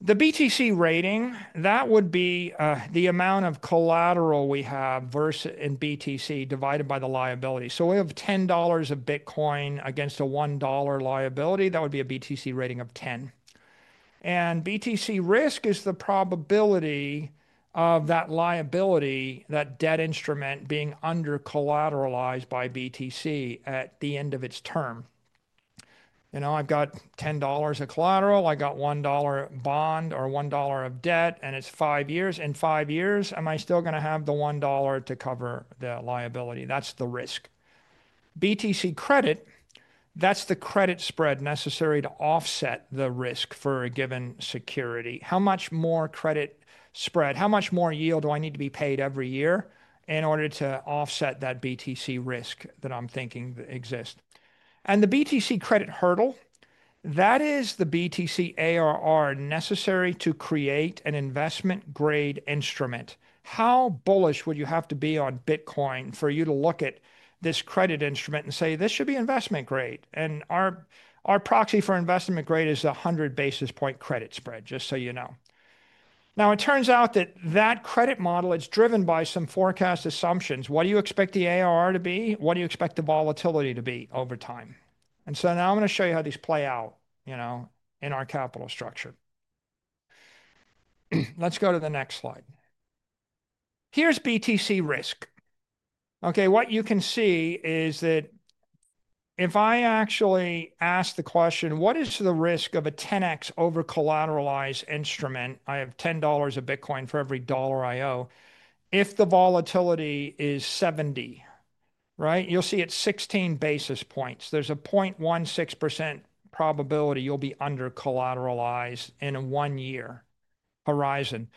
The BTC rating, that would be the amount of collateral we have versus in BTC divided by the liability. So we have $10 of Bitcoin against a $1 liability. That would be a BTC rating of 10. BTC risk is the probability of that liability, that debt instrument being under-collateralized by BTC at the end of its term. You know, I've got $10 of collateral. I got $1 bond or $1 of debt, and it's five years. In five years, am I still going to have the $1 to cover the liability? That's the risk. BTC credit, that's the credit spread necessary to offset the risk for a given security. How much more credit spread, how much more yield do I need to be paid every year in order to offset that BTC risk that I'm thinking exists? The BTC credit hurdle, that is the BTC ARR necessary to create an investment-grade instrument. How bullish would you have to be on Bitcoin for you to look at this credit instrument and say, this should be investment-grade? Our proxy for investment-grade is a 100 basis point credit spread, just so you know. It turns out that that credit model is driven by some forecast assumptions. What do you expect the ARR to be? What do you expect the volatility to be over time? Now I am going to show you how these play out, you know, in our capital structure. Let's go to the next slide. Here is BTC risk. What you can see is that if I actually ask the question, what is the risk of a 10x over-collateralized instrument? I have $10 of Bitcoin for every dollar I owe. If the volatility is 70, right? You'll see it's 16 basis points. There's a 0.16% probability you'll be under-collateralized in a one-year horizon.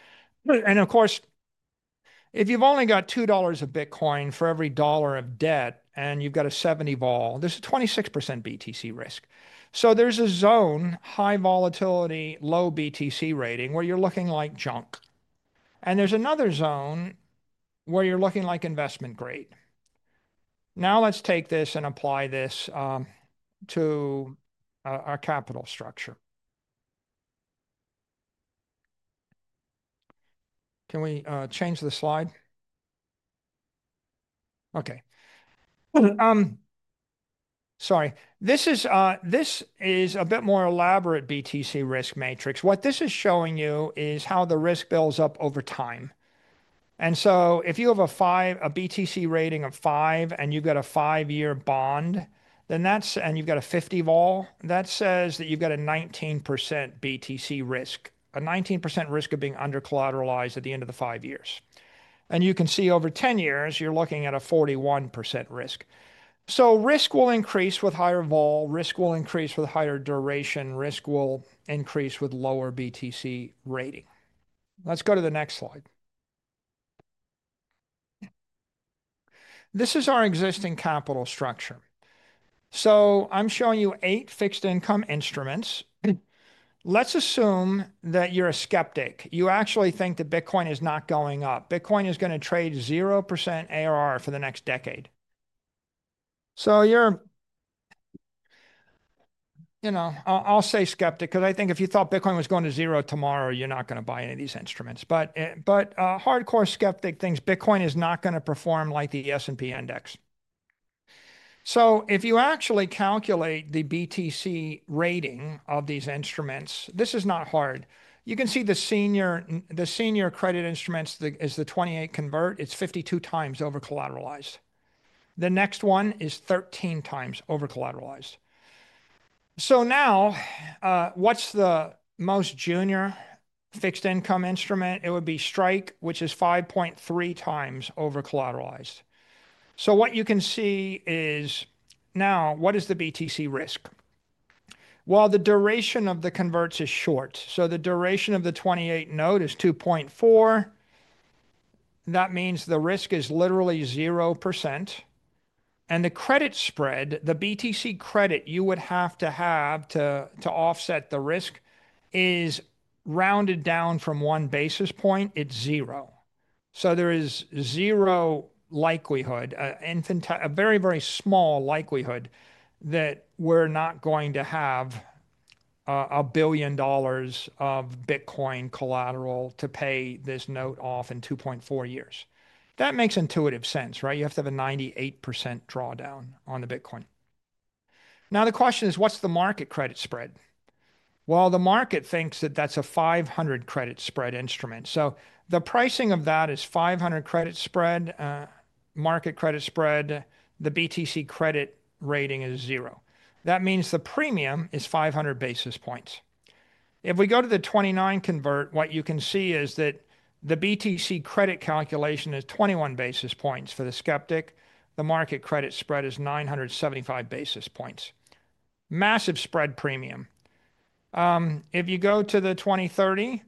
Of course, if you've only got $2 of Bitcoin for every dollar of debt and you've got a 70 vol, there's a 26% BTC risk. There's a zone, high volatility, low BTC rating, where you're looking like junk. There's another zone where you're looking like investment-grade. Now let's take this and apply this to our capital structure. Can we change the slide? Okay. Sorry. This is a bit more elaborate BTC risk matrix. What this is showing you is how the risk builds up over time. If you have a BTC rating of 5 and you've got a 5-year bond, then that's, and you've got a 50 vol, that says that you've got a 19% BTC risk, a 19% risk of being under-collateralized at the end of the 5 years. You can see over 10 years, you're looking at a 41% risk. Risk will increase with higher vol. Risk will increase with higher duration. Risk will increase with lower BTC rating. Let's go to the next slide. This is our existing capital structure. I'm showing you eight fixed income instruments. Let's assume that you're a skeptic. You actually think that Bitcoin is not going up. Bitcoin is going to trade 0% ARR for the next decade. You're, you know, I'll say skeptic because I think if you thought Bitcoin was going to zero tomorrow, you're not going to buy any of these instruments. But hardcore skeptic thinks Bitcoin is not going to perform like the S&P index. If you actually calculate the BTC rating of these instruments, this is not hard. You can see the senior credit instruments is the 2028 convert. It's 52x over-collateralized. The next one is 13x over-collateralized. Now what's the most junior fixed income instrument? It would be STRK, which is 5.3x over-collateralized. What you can see is now what is the BTC risk? The duration of the converts is short. The duration of the 2028 note is 2.4. That means the risk is literally 0%. The credit spread, the BTC credit you would have to have to offset the risk is rounded down from one basis point. It's zero. There is zero likelihood, a very, very small likelihood that we're not going to have $1 billion of Bitcoin collateral to pay this note off in 2.4 years. That makes intuitive sense, right? You have to have a 98% drawdown on the Bitcoin. Now the question is, what's the market credit spread? The market thinks that that's a 500 credit spread instrument. The pricing of that is 500 credit spread, market credit spread. The BTC credit rating is zero. That means the premium is 500 basis points. If we go to the 2029 convert, what you can see is that the BTC credit calculation is 21 basis points for the skeptic. The market credit spread is 975 basis points. Massive spread premium. If you go to the 2030,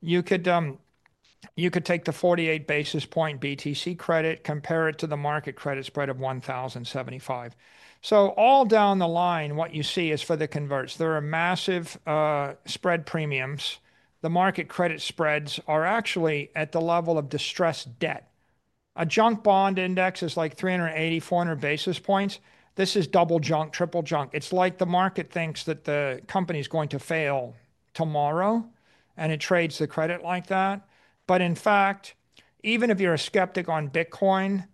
you could take the 48 basis point BTC credit, compare it to the market credit spread of 1,075. All down the line, what you see is for the converts, there are massive spread premiums. The market credit spreads are actually at the level of distressed debt. A junk bond index is like 380-400 basis points. This is double junk, triple junk. It is like the market thinks that the company's going to fail tomorrow, and it trades the credit like that. In fact, even if you're a skeptic on Bitcoin,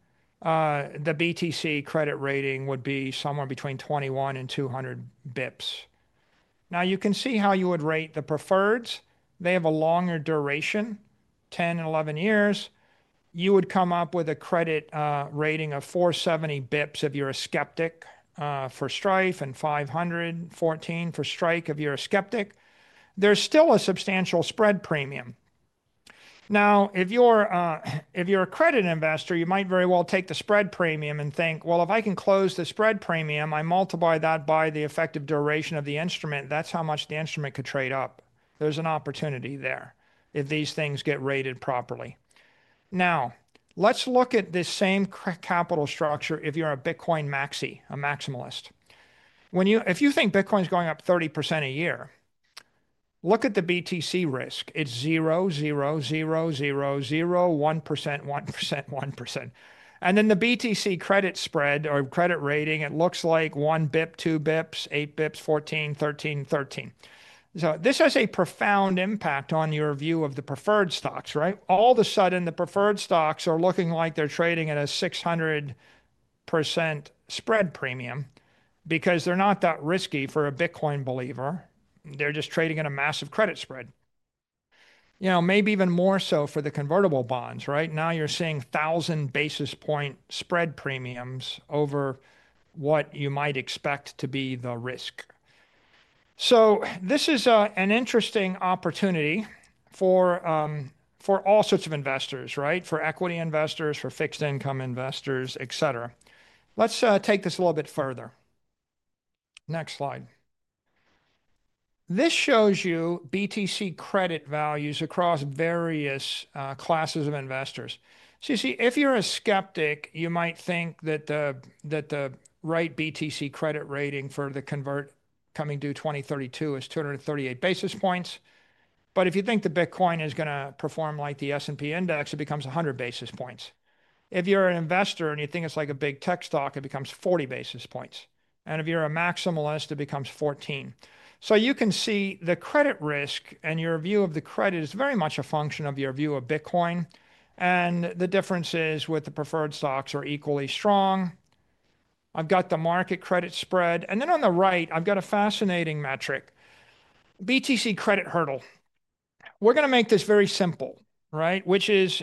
the BTC credit rating would be somewhere between 21 and 200 basis points. Now you can see how you would rate the preferreds. They have a longer duration, 10 and 11 years. You would come up with a credit rating of 470 basis points if you're a skeptic for STRF and 514 for STRK if you're a skeptic. There's still a substantial spread premium. Now, if you're a credit investor, you might very well take the spread premium and think, well, if I can close the spread premium, I multiply that by the effective duration of the instrument. That's how much the instrument could trade up. There's an opportunity there if these things get rated properly. Now, let's look at this same capital structure if you're a Bitcoin maxi, a maximalist. If you think Bitcoin's going up 30% a year, look at the BTC risk. It's 0, 0, 0, 0, 0, 1%, 1%, 1%. And then the BTC credit spread or credit rating, it looks like 1 basis point, 2 basis points, 8 basis points, 14, 13, 13. This has a profound impact on your view of the preferred stocks, right? All of a sudden, the preferred stocks are looking like they're trading at a 600% spread premium because they're not that risky for a Bitcoin believer. They're just trading at a massive credit spread. You know, maybe even more so for the convertible bonds, right? Now you're seeing 1,000 basis point spread premiums over what you might expect to be the risk. This is an interesting opportunity for all sorts of investors, right? For equity investors, for fixed income investors, et cetera. Let's take this a little bit further. Next slide. This shows you BTC credit values across various classes of investors. You see, if you're a skeptic, you might think that the right BTC credit rating for the convert coming due 2032 is 238 basis points. If you think the Bitcoin is going to perform like the S&P index, it becomes 100 basis points. If you're an investor and you think it's like a big tech stock, it becomes 40 basis points. If you're a maximalist, it becomes 14. You can see the credit risk and your view of the credit is very much a function of your view of Bitcoin. The differences with the preferred stocks are equally strong. I've got the market credit spread. On the right, I've got a fascinating metric, BTC credit hurdle. We're going to make this very simple, right? Which is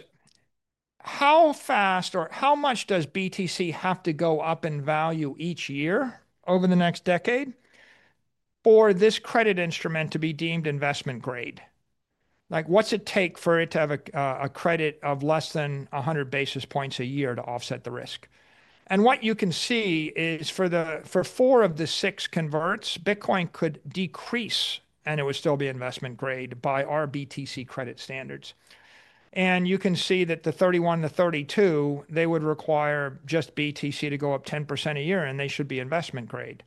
how fast or how much does BTC have to go up in value each year over the next decade for this credit instrument to be deemed investment-grade? Like what's it take for it to have a credit of less than 100 basis points a year to offset the risk? What you can see is for four of the six converts, Bitcoin could decrease and it would still be investment-grade by our BTC credit standards. You can see that the 31 and the 32, they would require just BTC to go up 10% a year and they should be investment-grade.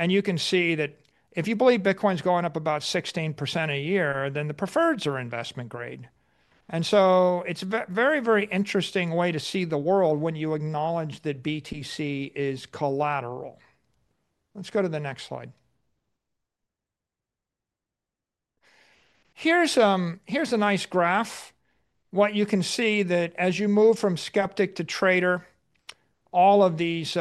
You can see that if you believe Bitcoin's going up about 16% a year, then the preferreds are investment-grade. It is a very, very interesting way to see the world when you acknowledge that BTC is collateral. Let's go to the next slide. Here's a nice graph. What you can see is that as you move from skeptic to trader, all of these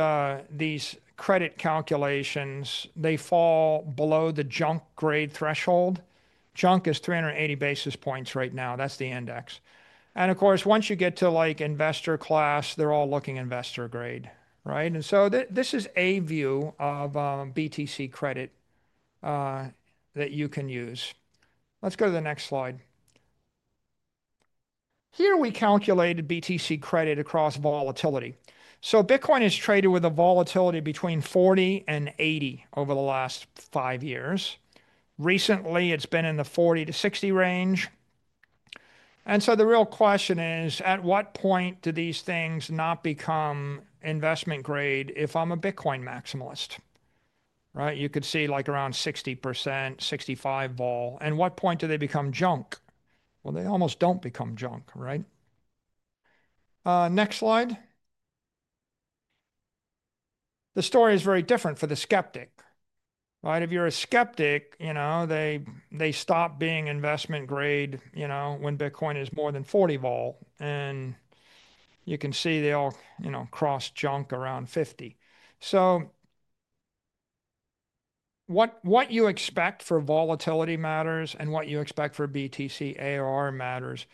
credit calculations, they fall below the junk-grade threshold. Junk is 380 basis points right now. That's the index. Of course, once you get to like investor class, they're all looking investor-grade, right? This is a view of BTC credit that you can use. Let's go to the next slide. Here we calculated BTC credit across volatility. Bitcoin is traded with a volatility between 40-80 over the last five years. Recently, it's been in the 40-60 range. The real question is, at what point do these things not become investment-grade if I'm a Bitcoin maximalist, right? You could see like around 60%, 65% volatility. At what point do they become junk? They almost do not become junk, right? Next slide. The story is very different for the skeptic, right? If you're a skeptic, you know, they stop being investment-grade, you know, when Bitcoin is more than 40% volatility. You can see they all, you know, cross junk around 50. What you expect for volatility matters and what you expect for BTC ARR matters.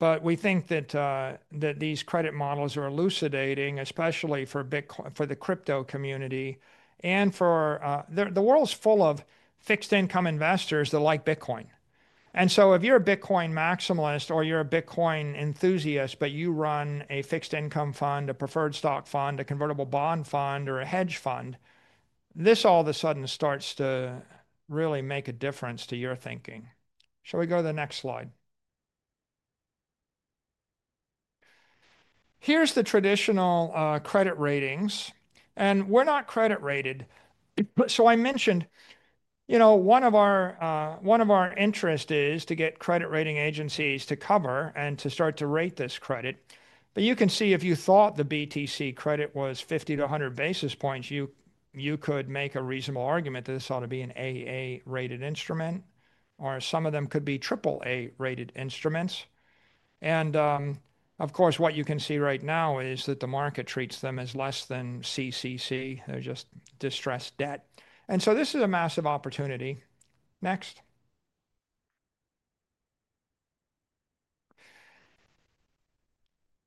We think that these credit models are elucidating, especially for the crypto community and for the world's full of fixed income investors that like Bitcoin. If you're a Bitcoin maximalist or you're a Bitcoin enthusiast, but you run a fixed income fund, a preferred stock fund, a convertible bond fund, or a hedge fund, this all of a sudden starts to really make a difference to your thinking. Shall we go to the next slide? Here's the traditional credit ratings. We're not credit rated. I mentioned, you know, one of our interests is to get credit rating agencies to cover and to start to rate this credit. You can see if you thought the BTC credit was 50-100 basis points, you could make a reasonable argument that this ought to be an AA-rated instrument or some of them could be AAA-rated instruments. Of course, what you can see right now is that the market treats them as less than CCC, they're just distressed debt. This is a massive opportunity. Next.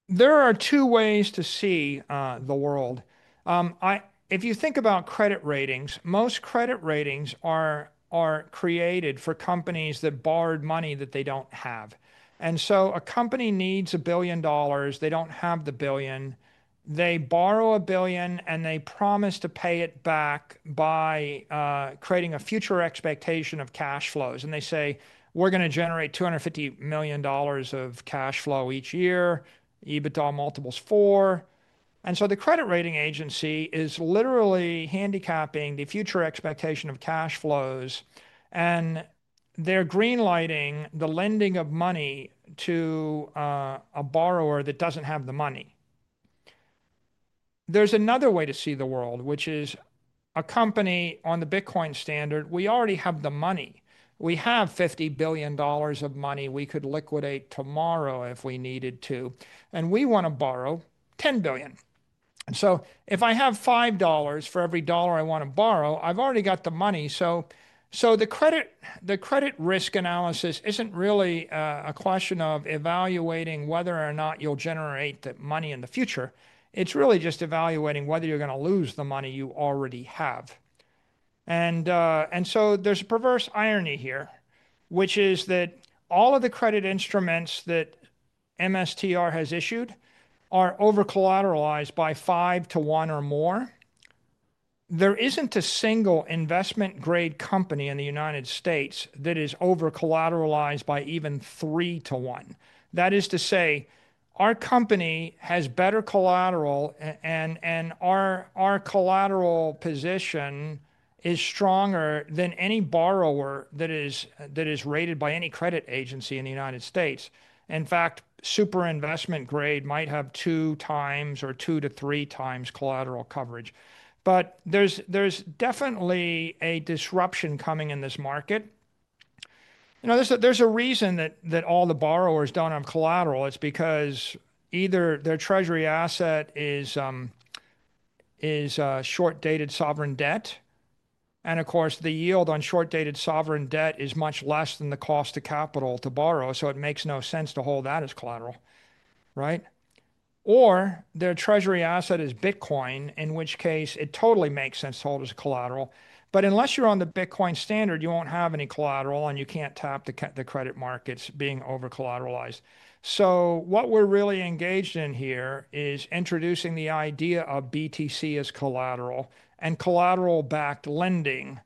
There are two ways to see the world. If you think about credit ratings, most credit ratings are created for companies that borrowed money that they don't have. A company needs $1 billion. They don't have the billion. They borrow a billion and they promise to pay it back by creating a future expectation of cash flows. They say, we're going to generate $250 million of cash flow each year, EBITDA multiples four. The credit rating agency is literally handicapping the future expectation of cash flows. They're greenlighting the lending of money to a borrower that doesn't have the money. There's another way to see the world, which is a company on the Bitcoin standard, we already have the money. We have $50 billion of money we could liquidate tomorrow if we needed to. We want to borrow $10 billion. If I have $5 for every dollar I want to borrow, I've already got the money. The credit risk analysis isn't really a question of evaluating whether or not you'll generate the money in the future. It's really just evaluating whether you're going to lose the money you already have. There is a perverse irony here, which is that all of the credit instruments that MSTR has issued are over-collateralized by five to one or more. There is not a single investment-grade company in the U.S. that is over-collateralized by even three to one. That is to say, our company has better collateral and our collateral position is stronger than any borrower that is rated by any credit agency in the U.S. In fact, super investment-grade might have 2x or 2x-3x collateral coverage. There is definitely a disruption coming in this market. You know, there is a reason that all the borrowers do not have collateral. It is because either their treasury asset is short-dated sovereign debt. Of course, the yield on short-dated sovereign debt is much less than the cost of capital to borrow. It makes no sense to hold that as collateral, right? Their treasury asset is Bitcoin, in which case it totally makes sense to hold as collateral. Unless you're on the Bitcoin standard, you won't have any collateral and you can't tap the credit markets being over-collateralized. What we're really engaged in here is introducing the idea of BTC as collateral and collateral-backed lending.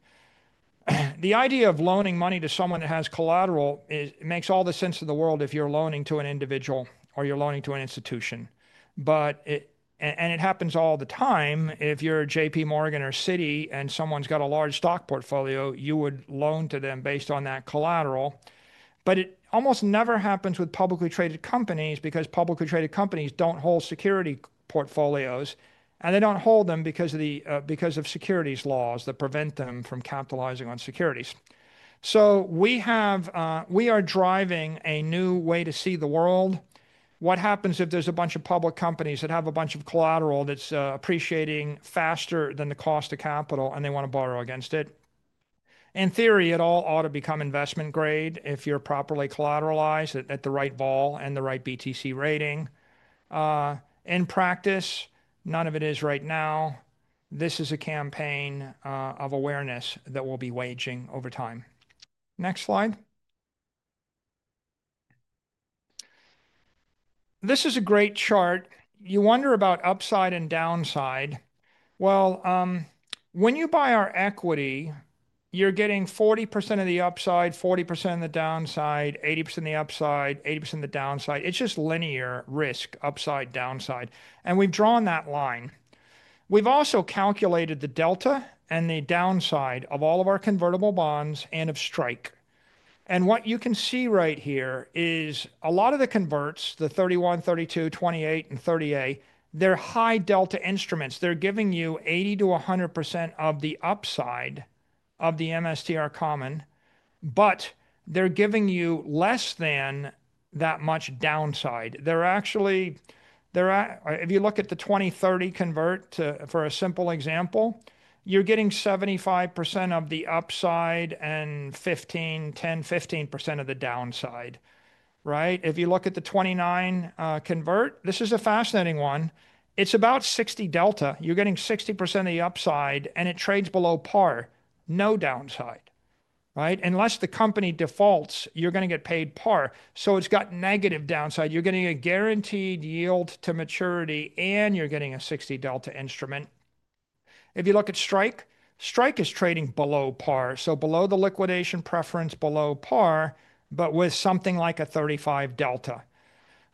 The idea of loaning money to someone that has collateral makes all the sense in the world if you're loaning to an individual or you're loaning to an institution. It happens all the time. If you're JPMorgan or Citi and someone's got a large stock portfolio, you would loan to them based on that collateral. It almost never happens with publicly traded companies because publicly traded companies don't hold security portfolios. They don't hold them because of securities laws that prevent them from capitalizing on securities. We are driving a new way to see the world. What happens if there is a bunch of public companies that have a bunch of collateral that is appreciating faster than the cost of capital and they want to borrow against it? In theory, it all ought to become investment-grade if you are properly collateralized at the right ball and the right BTC rating. In practice, none of it is right now. This is a campaign of awareness that will be waging over time. Next slide. This is a great chart. You wonder about upside and downside. When you buy our equity, you are getting 40% of the upside, 40% of the downside, 80% of the upside, 80% of the downside. It is just linear risk, upside, downside. We have drawn that line. We have also calculated the delta and the downside of all of our convertible bonds and of STRK. What you can see right here is a lot of the converts, the 31, 32, 28, and 30A, they're high delta instruments. They're giving you 80%-100% of the upside of the MSTR common, but they're giving you less than that much downside. If you look at the 2030 convert for a simple example, you're getting 75% of the upside and 10%-15% of the downside, right? If you look at the 29 convert, this is a fascinating one. It's about 60 delta. You're getting 60% of the upside and it trades below par, no downside, right? Unless the company defaults, you're going to get paid par. So it's got negative downside. You're getting a guaranteed yield to maturity and you're getting a 60 delta instrument. If you look at STRK, STRK is trading below par. Below the liquidation preference, below par, but with something like a 35 delta.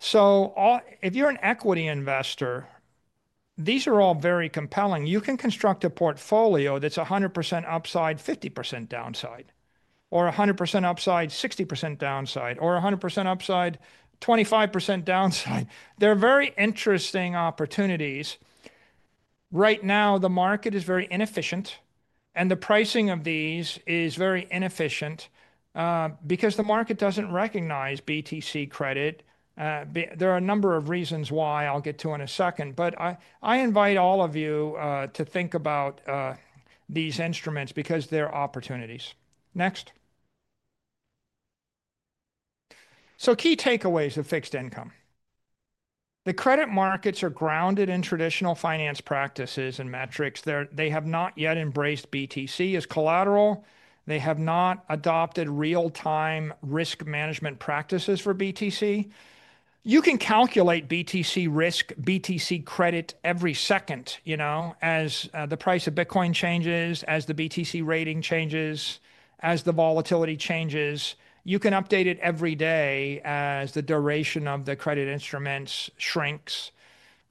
If you're an equity investor, these are all very compelling. You can construct a portfolio that's 100% upside, 50% downside, or 100% upside, 60% downside, or 100% upside, 25% downside. They're very interesting opportunities. Right now, the market is very inefficient and the pricing of these is very inefficient because the market doesn't recognize BTC credit. There are a number of reasons why I'll get to in a second, but I invite all of you to think about these instruments because they're opportunities. Next. Key takeaways of fixed income. The credit markets are grounded in traditional finance practices and metrics. They have not yet embraced BTC as collateral. They have not adopted real-time risk management practices for BTC. You can calculate BTC risk, BTC credit every second, you know, as the price of Bitcoin changes, as the BTC rating changes, as the volatility changes. You can update it every day as the duration of the credit instruments shrinks,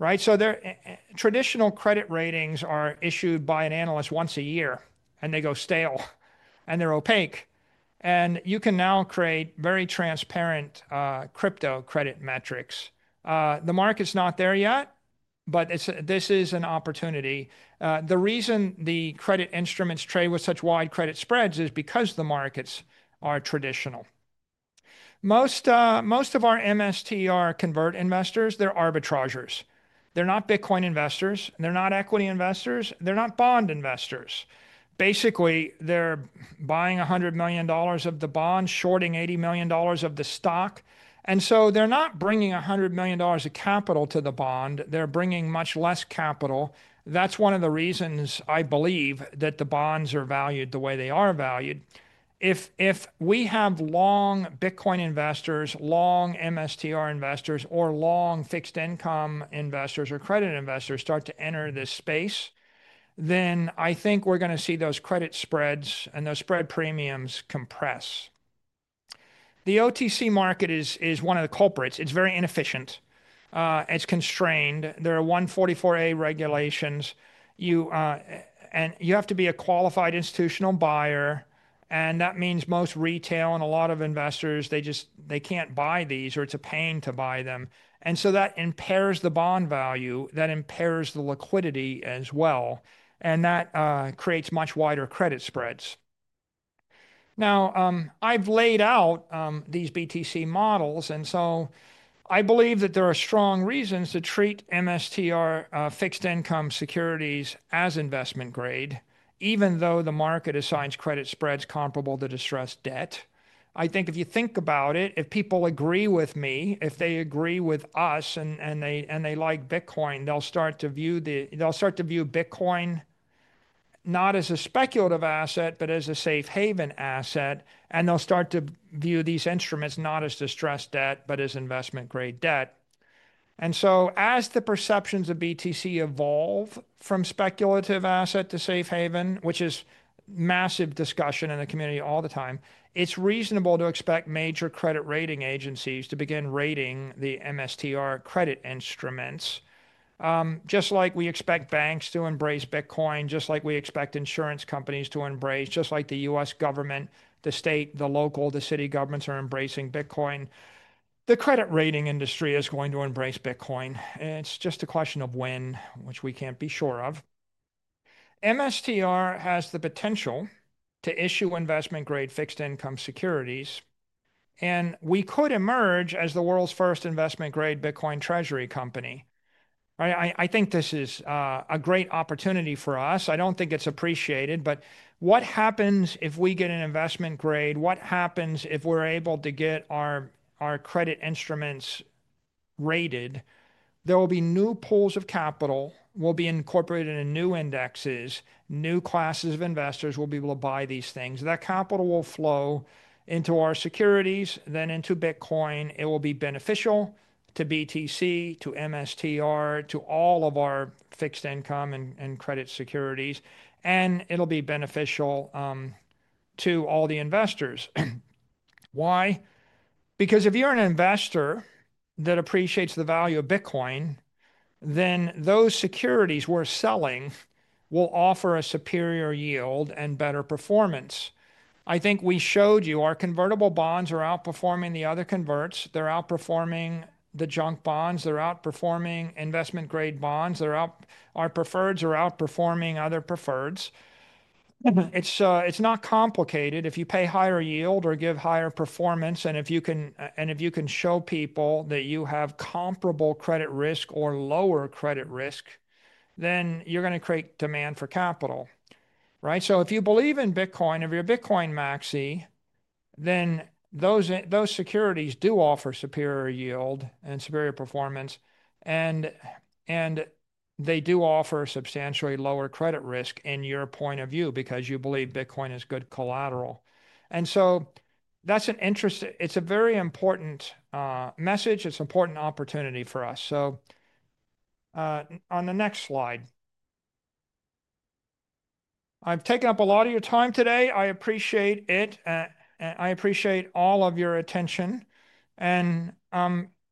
right? Traditional credit ratings are issued by an analyst once a year and they go stale and they're opaque. You can now create very transparent crypto credit metrics. The market's not there yet, but this is an opportunity. The reason the credit instruments trade with such wide credit spreads is because the markets are traditional. Most of our MSTR convert investors, they're arbitragers. They're not Bitcoin investors. They're not equity investors. They're not bond investors. Basically, they're buying $100 million of the bond, shorting $80 million of the stock. They're not bringing $100 million of capital to the bond. They're bringing much less capital. That's one of the reasons I believe that the bonds are valued the way they are valued. If we have long Bitcoin investors, long MSTR investors, or long fixed income investors or credit investors start to enter this space, I think we're going to see those credit spreads and those spread premiums compress. The OTC market is one of the culprits. It's very inefficient. It's constrained. There are 144A regulations. You have to be a qualified institutional buyer. That means most retail and a lot of investors, they just, they can't buy these or it's a pain to buy them. That impairs the bond value. That impairs the liquidity as well. That creates much wider credit spreads. I've laid out these BTC models. I believe that there are strong reasons to treat MSTR fixed income securities as investment-grade, even though the market assigns credit spreads comparable to distressed debt. I think if you think about it, if people agree with me, if they agree with us and they like Bitcoin, they'll start to view the, they'll start to view Bitcoin not as a speculative asset, but as a safe haven asset. And they'll start to view these instruments not as distressed debt, but as investment-grade debt. As the perceptions of BTC evolve from speculative asset to safe haven, which is massive discussion in the community all the time, it's reasonable to expect major credit rating agencies to begin rating the MSTR credit instruments. Just like we expect banks to embrace Bitcoin, just like we expect insurance companies to embrace, just like the U.S. Government, the state, the local, the city governments are embracing Bitcoin, the credit rating industry is going to embrace Bitcoin. It's just a question of when, which we can't be sure of. MSTR has the potential to issue investment-grade fixed income securities. We could emerge as the world's first investment-grade Bitcoin treasury company. I think this is a great opportunity for us. I don't think it's appreciated, but what happens if we get an investment-grade? What happens if we're able to get our credit instruments rated? There will be new pools of capital. We'll be incorporated in new indexes. New classes of investors will be able to buy these things. That capital will flow into our securities, then into Bitcoin. It will be beneficial to BTC, to MSTR, to all of our fixed income and credit securities. It'll be beneficial to all the investors. Why? Because if you're an investor that appreciates the value of Bitcoin, then those securities we're selling will offer a superior yield and better performance. I think we showed you our convertible bonds are outperforming the other converts. They're outperforming the junk bonds. They're outperforming investment-grade bonds. Our preferreds are outperforming other preferreds. It's not complicated. If you pay higher yield or give higher performance, and if you can show people that you have comparable credit risk or lower credit risk, then you're going to create demand for capital, right? If you believe in Bitcoin, if you're a Bitcoin Maxi, then those securities do offer superior yield and superior performance. They do offer substantially lower credit risk in your point of view because you believe Bitcoin is good collateral. That's an interesting, it's a very important message. It's an important opportunity for us. On the next slide, I've taken up a lot of your time today. I appreciate it. I appreciate all of your attention. I'm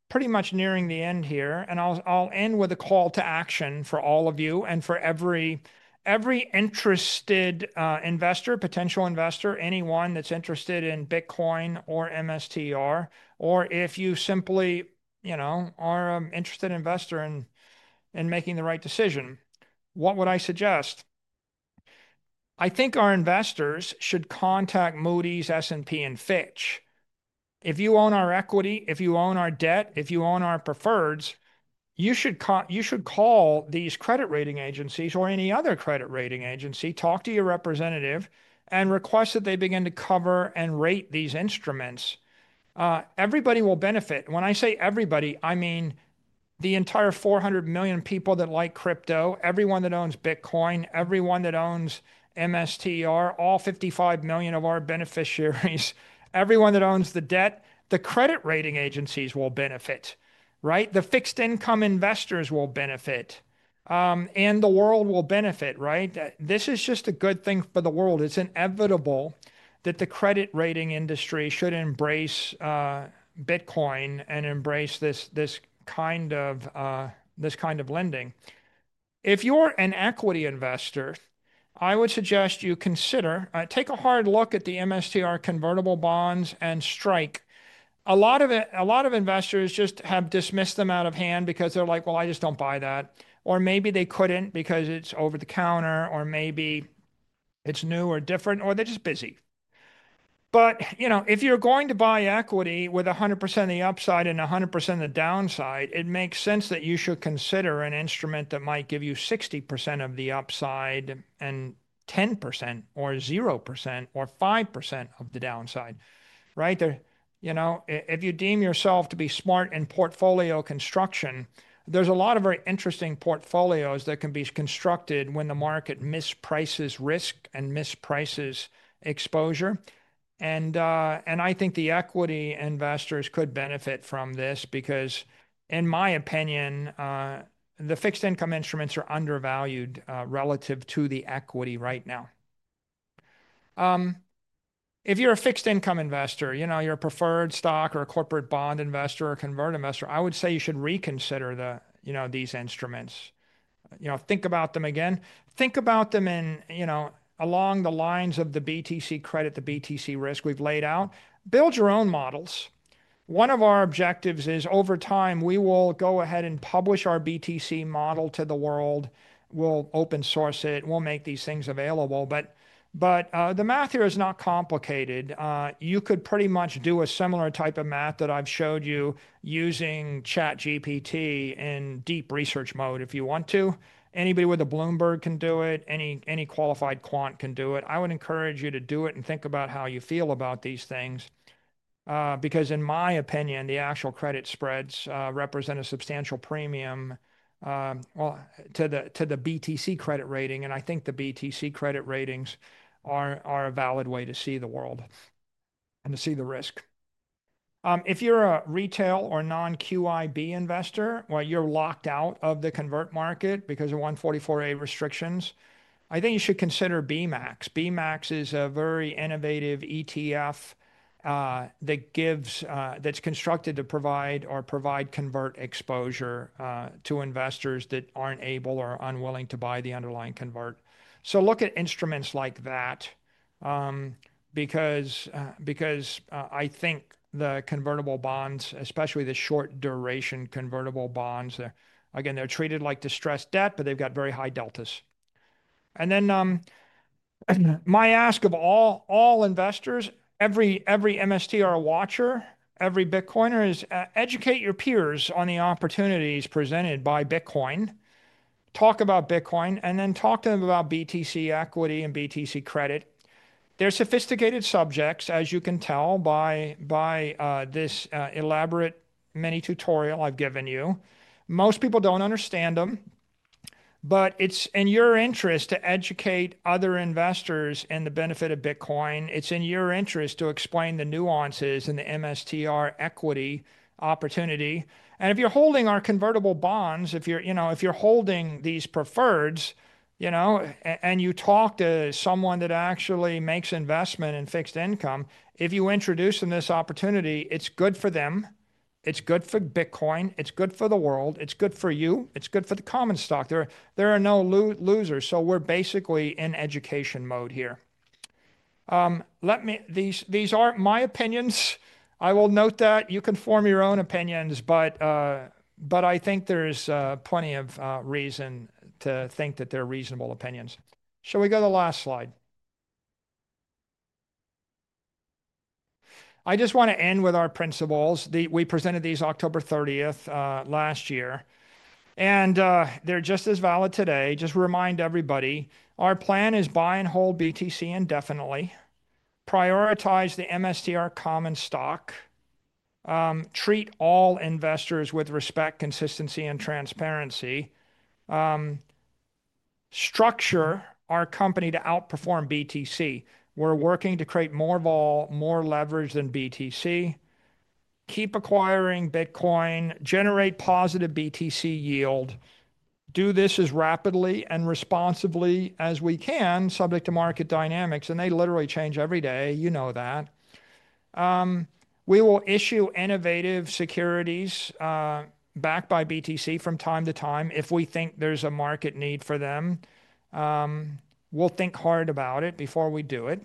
pretty much nearing the end here. I'll end with a call to action for all of you and for every interested investor, potential investor, anyone that's interested in Bitcoin or MSTR, or if you simply, you know, are an interested investor in making the right decision, what would I suggest? I think our investors should contact Moody's, S&P, and Fitch. If you own our equity, if you own our debt, if you own our preferreds, you should call these credit rating agencies or any other credit rating agency, talk to your representative, and request that they begin to cover and rate these instruments. Everybody will benefit. When I say everybody, I mean the entire 400 million people that like crypto, everyone that owns Bitcoin, everyone that owns MSTR, all 55 million of our beneficiaries, everyone that owns the debt, the credit rating agencies will benefit, right? The fixed income investors will benefit. The world will benefit, right? This is just a good thing for the world. It is inevitable that the credit rating industry should embrace Bitcoin and embrace this kind of lending. If you are an equity investor, I would suggest you consider, take a hard look at the MSTR convertible bonds and STRK. A lot of investors just have dismissed them out of hand because they are like, well, I just do not buy that. Or maybe they could not because it is over the counter, or maybe it is new or different, or they are just busy. You know, if you're going to buy equity with 100% of the upside and 100% of the downside, it makes sense that you should consider an instrument that might give you 60% of the upside and 10% or 0% or 5% of the downside, right? You know, if you deem yourself to be smart in portfolio construction, there's a lot of very interesting portfolios that can be constructed when the market misprices risk and misprices exposure. I think the equity investors could benefit from this because, in my opinion, the fixed income instruments are undervalued relative to the equity right now. If you're a fixed income investor, you know, you're a preferred stock or a corporate bond investor or a convert investor, I would say you should reconsider these instruments. You know, think about them again. Think about them in, you know, along the lines of the BTC credit, the BTC risk we've laid out. Build your own models. One of our objectives is over time, we will go ahead and publish our BTC model to the world. We'll open source it. We'll make these things available. The math here is not complicated. You could pretty much do a similar type of math that I've showed you using ChatGPT in deep research mode if you want to. Anybody with a Bloomberg can do it. Any qualified quant can do it. I would encourage you to do it and think about how you feel about these things. Because in my opinion, the actual credit spreads represent a substantial premium, well, to the BTC credit rating. I think the BTC credit ratings are a valid way to see the world and to see the risk. If you're a retail or non-QIB investor, you're locked out of the convert market because of 144A restrictions. I think you should consider BMAX. BMAX is a very innovative ETF that's constructed to provide or provide convert exposure to investors that aren't able or unwilling to buy the underlying convert. Look at instruments like that because I think the convertible bonds, especially the short duration convertible bonds, again, they're treated like distressed debt, but they've got very high deltas. My ask of all investors, every MSTR watcher, every Bitcoiner is educate your peers on the opportunities presented by Bitcoin. Talk about Bitcoin and then talk to them about BTC equity and BTC credit. They're sophisticated subjects, as you can tell by this elaborate mini tutorial I've given you. Most people don't understand them, but it's in your interest to educate other investors in the benefit of Bitcoin. It's in your interest to explain the nuances in the MSTR equity opportunity. And if you're holding our convertible bonds, if you're, you know, if you're holding these preferreds, you know, and you talk to someone that actually makes investment in fixed income, if you introduce them this opportunity, it's good for them. It's good for Bitcoin. It's good for the world. It's good for you. It's good for the common stock. There are no losers. We're basically in education mode here. These aren't my opinions. I will note that you can form your own opinions, but I think there's plenty of reason to think that they're reasonable opinions. Shall we go to the last slide? I just want to end with our principles. We presented these October 30th last year. They are just as valid today. Just remind everybody, our plan is buy and hold BTC indefinitely, prioritize the MSTR common stock, treat all investors with respect, consistency, and transparency. Structure our company to outperform BTC. We are working to create more vol, more leverage than BTC. Keep acquiring Bitcoin, generate positive BTC yield. Do this as rapidly and responsibly as we can, subject to market dynamics. They literally change every day. You know that. We will issue innovative securities backed by BTC from time to time if we think there is a market need for them. We will think hard about it before we do it.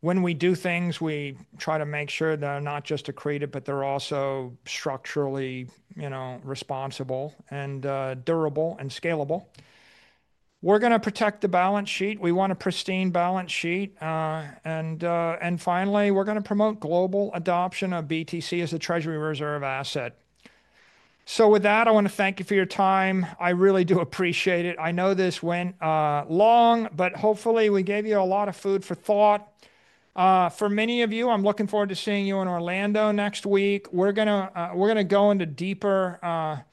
When we do things, we try to make sure they are not just accretive, but they are also structurally, you know, responsible and durable and scalable. We are going to protect the balance sheet. We want a pristine balance sheet. Finally, we're going to promote global adoption of BTC as a treasury reserve asset. With that, I want to thank you for your time. I really do appreciate it. I know this went long, but hopefully we gave you a lot of food for thought. For many of you, I'm looking forward to seeing you in Orlando next week. We're going to go into deeper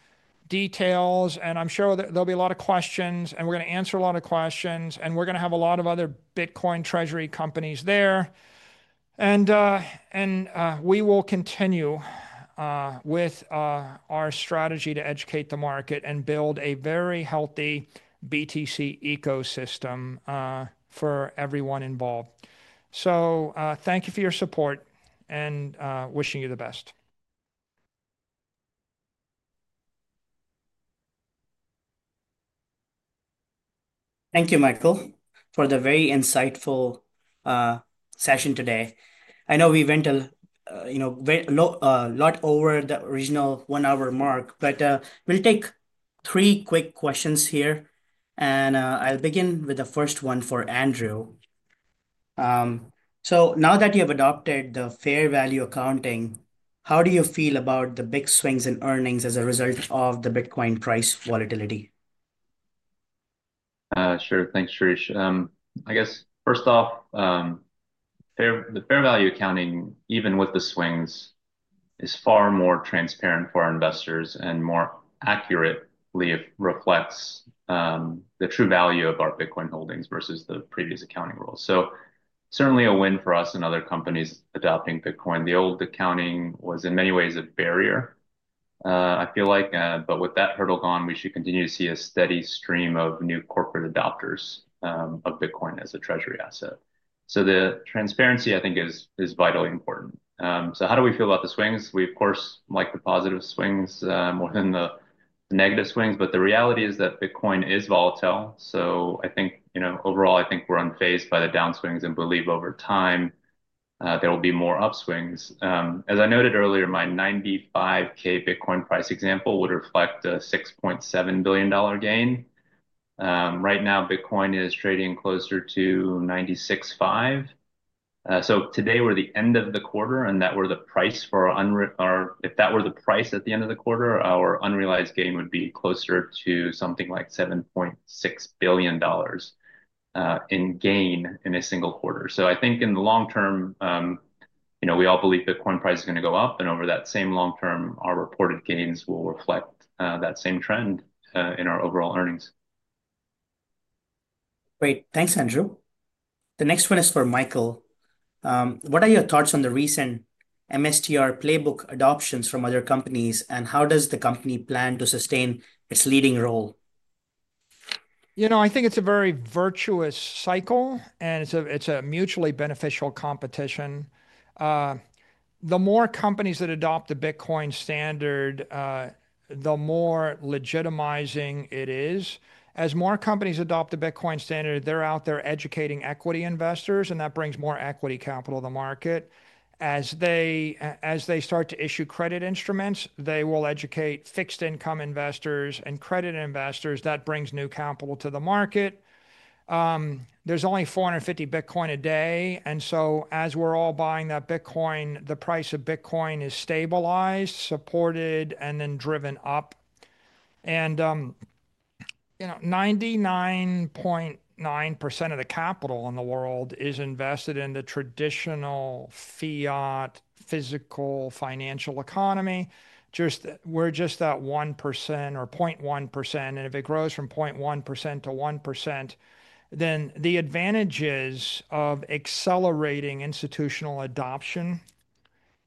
details. I'm sure there'll be a lot of questions. We're going to answer a lot of questions. We're going to have a lot of other Bitcoin treasury companies there. We will continue with our strategy to educate the market and build a very healthy BTC ecosystem for everyone involved. Thank you for your support and wishing you the best. Thank you, Michael, for the very insightful session today. I know we went a lot over the original one-hour mark, but we'll take three quick questions here. I'll begin with the first one for Andrew. Now that you have adopted the fair value accounting, how do you feel about the big swings in earnings as a result of the Bitcoin price volatility? Sure. Thanks, Shirish. I guess, first off, the fair value accounting, even with the swings, is far more transparent for our investors and more accurately reflects the true value of our Bitcoin holdings versus the previous accounting rules. Certainly a win for us and other companies adopting Bitcoin. The old accounting was in many ways a barrier, I feel like. With that hurdle gone, we should continue to see a steady stream of new corporate adopters of Bitcoin as a treasury asset. The transparency, I think, is vitally important. How do we feel about the swings? We, of course, like the positive swings more than the negative swings. The reality is that Bitcoin is volatile. I think, you know, overall, I think we're unfazed by the downswings and believe over time there will be more upswings. As I noted earlier, my $95,000 Bitcoin price example would reflect a $6.7 billion gain. Right now, Bitcoin is trading closer to $96,500. Today we're at the end of the quarter, and if that were the price at the end of the quarter, our unrealized gain would be closer to something like $7.6 billion in gain in a single quarter. I think in the long term, you know, we all believe Bitcoin price is going to go up. Over that same long term, our reported gains will reflect that same trend in our overall earnings. Great. Thanks, Andrew. The next one is for Michael. What are your thoughts on the recent MSTR playbook adoptions from other companies, and how does the company plan to sustain its leading role? You know, I think it's a very virtuous cycle, and it's a mutually beneficial competition. The more companies that adopt the Bitcoin standard, the more legitimizing it is. As more companies adopt the Bitcoin standard, they're out there educating equity investors, and that brings more equity capital to the market. As they start to issue credit instruments, they will educate fixed income investors and credit investors. That brings new capital to the market. There's only 450 Bitcoin a day. As we're all buying that Bitcoin, the price of Bitcoin is stabilized, supported, and then driven up. You know, 99.9% of the capital in the world is invested in the traditional fiat physical financial economy. We're just at 1% or 0.1%. If it grows from 0.1% to 1%, the advantages of accelerating institutional adoption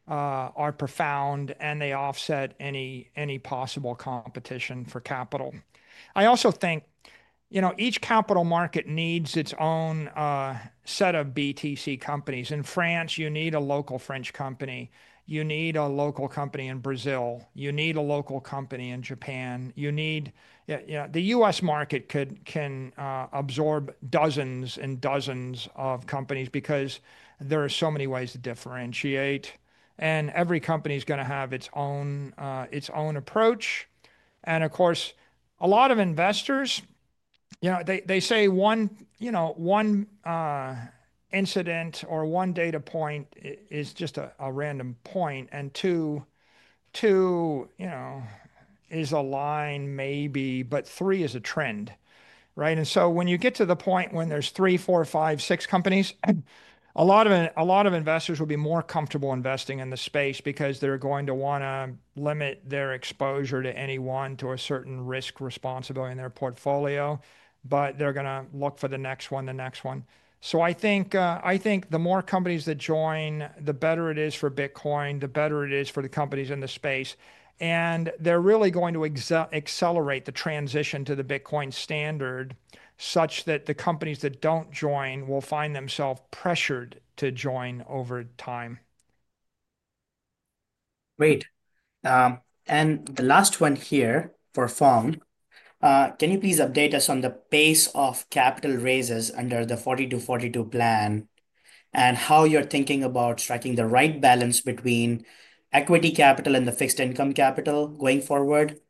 are profound, and they offset any possible competition for capital. I also think, you know, each capital market needs its own set of BTC companies. In France, you need a local French company. You need a local company in Brazil. You need a local company in Japan. The U.S. market can absorb dozens and dozens of companies because there are so many ways to differentiate. Every company is going to have its own approach. Of course, a lot of investors, you know, they say one, you know, one incident or one data point is just a random point. Two, you know, is a line maybe, but three is a trend, right? When you get to the point when there's three, four, five, six companies, a lot of investors will be more comfortable investing in the space because they're going to want to limit their exposure to any one to a certain risk responsibility in their portfolio. They're going to look for the next one, the next one. I think the more companies that join, the better it is for Bitcoin, the better it is for the companies in the space. They're really going to accelerate the transition to the Bitcoin standard such that the companies that do not join will find themselves pressured to join over time. Great. The last one here for Phong, can you please update us on the pace of capital raises under the 40-42 plan and how you're thinking about striking the right balance between equity capital and the fixed income capital going forward?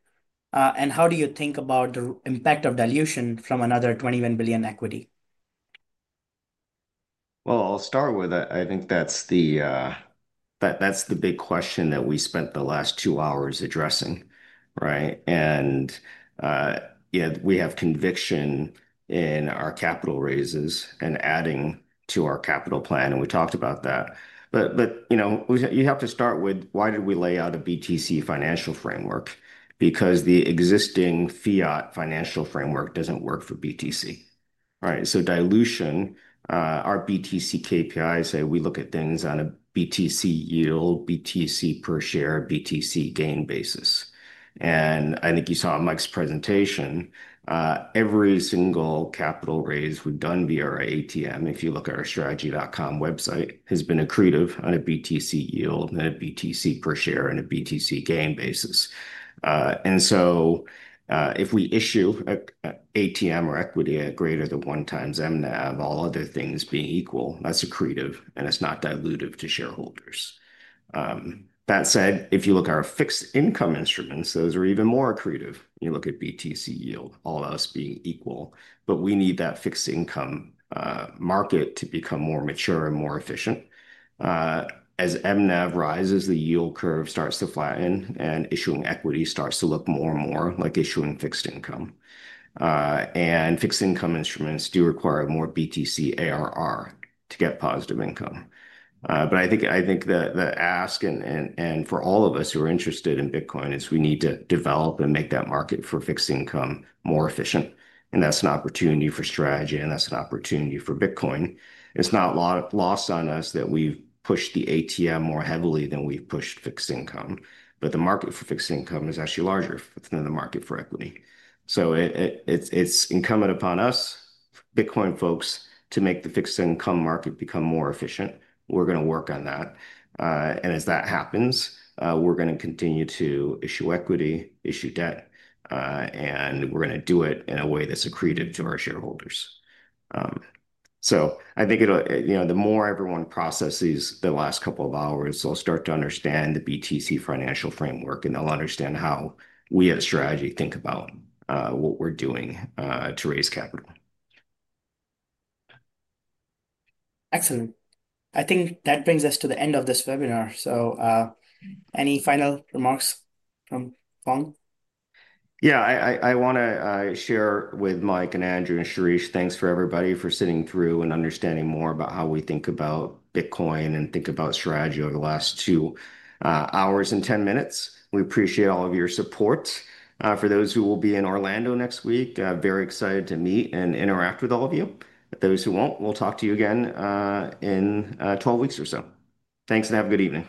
How do you think about the impact of dilution from another $21 billion equity? I will start with, I think that's the big question that we spent the last two hours addressing, right? We have conviction in our capital raises and adding to our capital plan. We talked about that. You have to start with, why did we lay out a BTC financial framework? The existing fiat financial framework does not work for BTC, right? Dilution, our BTC KPIs, say we look at things on a BTC yield, BTC per share, BTC gain basis. I think you saw Mike's presentation. Every single capital raise we've done via our ATM, if you look at our strategy.com website, has been accretive on a BTC yield and a BTC per share and a BTC gain basis. If we issue an ATM or equity at greater than 1x MNAV, all other things being equal, that's accretive and it's not dilutive to shareholders. That said, if you look at our fixed income instruments, those are even more accretive. You look at BTC yield, all of us being equal. We need that fixed income market to become more mature and more efficient. As MNAV rises, the yield curve starts to flatten and issuing equity starts to look more and more like issuing fixed income. Fixed income instruments do require more BTC ARR to get positive income. I think the ask and for all of us who are interested in Bitcoin is we need to develop and make that market for fixed income more efficient. That is an opportunity for Strategy and that is an opportunity for Bitcoin. It is not lost on us that we have pushed the ATM more heavily than we have pushed fixed income. The market for fixed income is actually larger than the market for equity. It is incumbent upon us, Bitcoin folks, to make the fixed income market become more efficient. We are going to work on that. As that happens, we are going to continue to issue equity, issue debt, and we are going to do it in a way that is accretive to our shareholders. I think it'll, you know, the more everyone processes the last couple of hours, they'll start to understand the BTC financial framework and they'll understand how we as Strategy think about what we're doing to raise capital. Excellent. I think that brings us to the end of this webinar. Any final remarks from Phong? Yeah, I want to share with Mike and Andrew and Shirish, thanks for everybody for sitting through and understanding more about how we think about Bitcoin and think about Strategy over the last two hours and 10 minutes. We appreciate all of your support. For those who will be in Orlando next week, very excited to meet and interact with all of you. Those who won't, we'll talk to you again in 12 weeks or so. Thanks and have a good evening.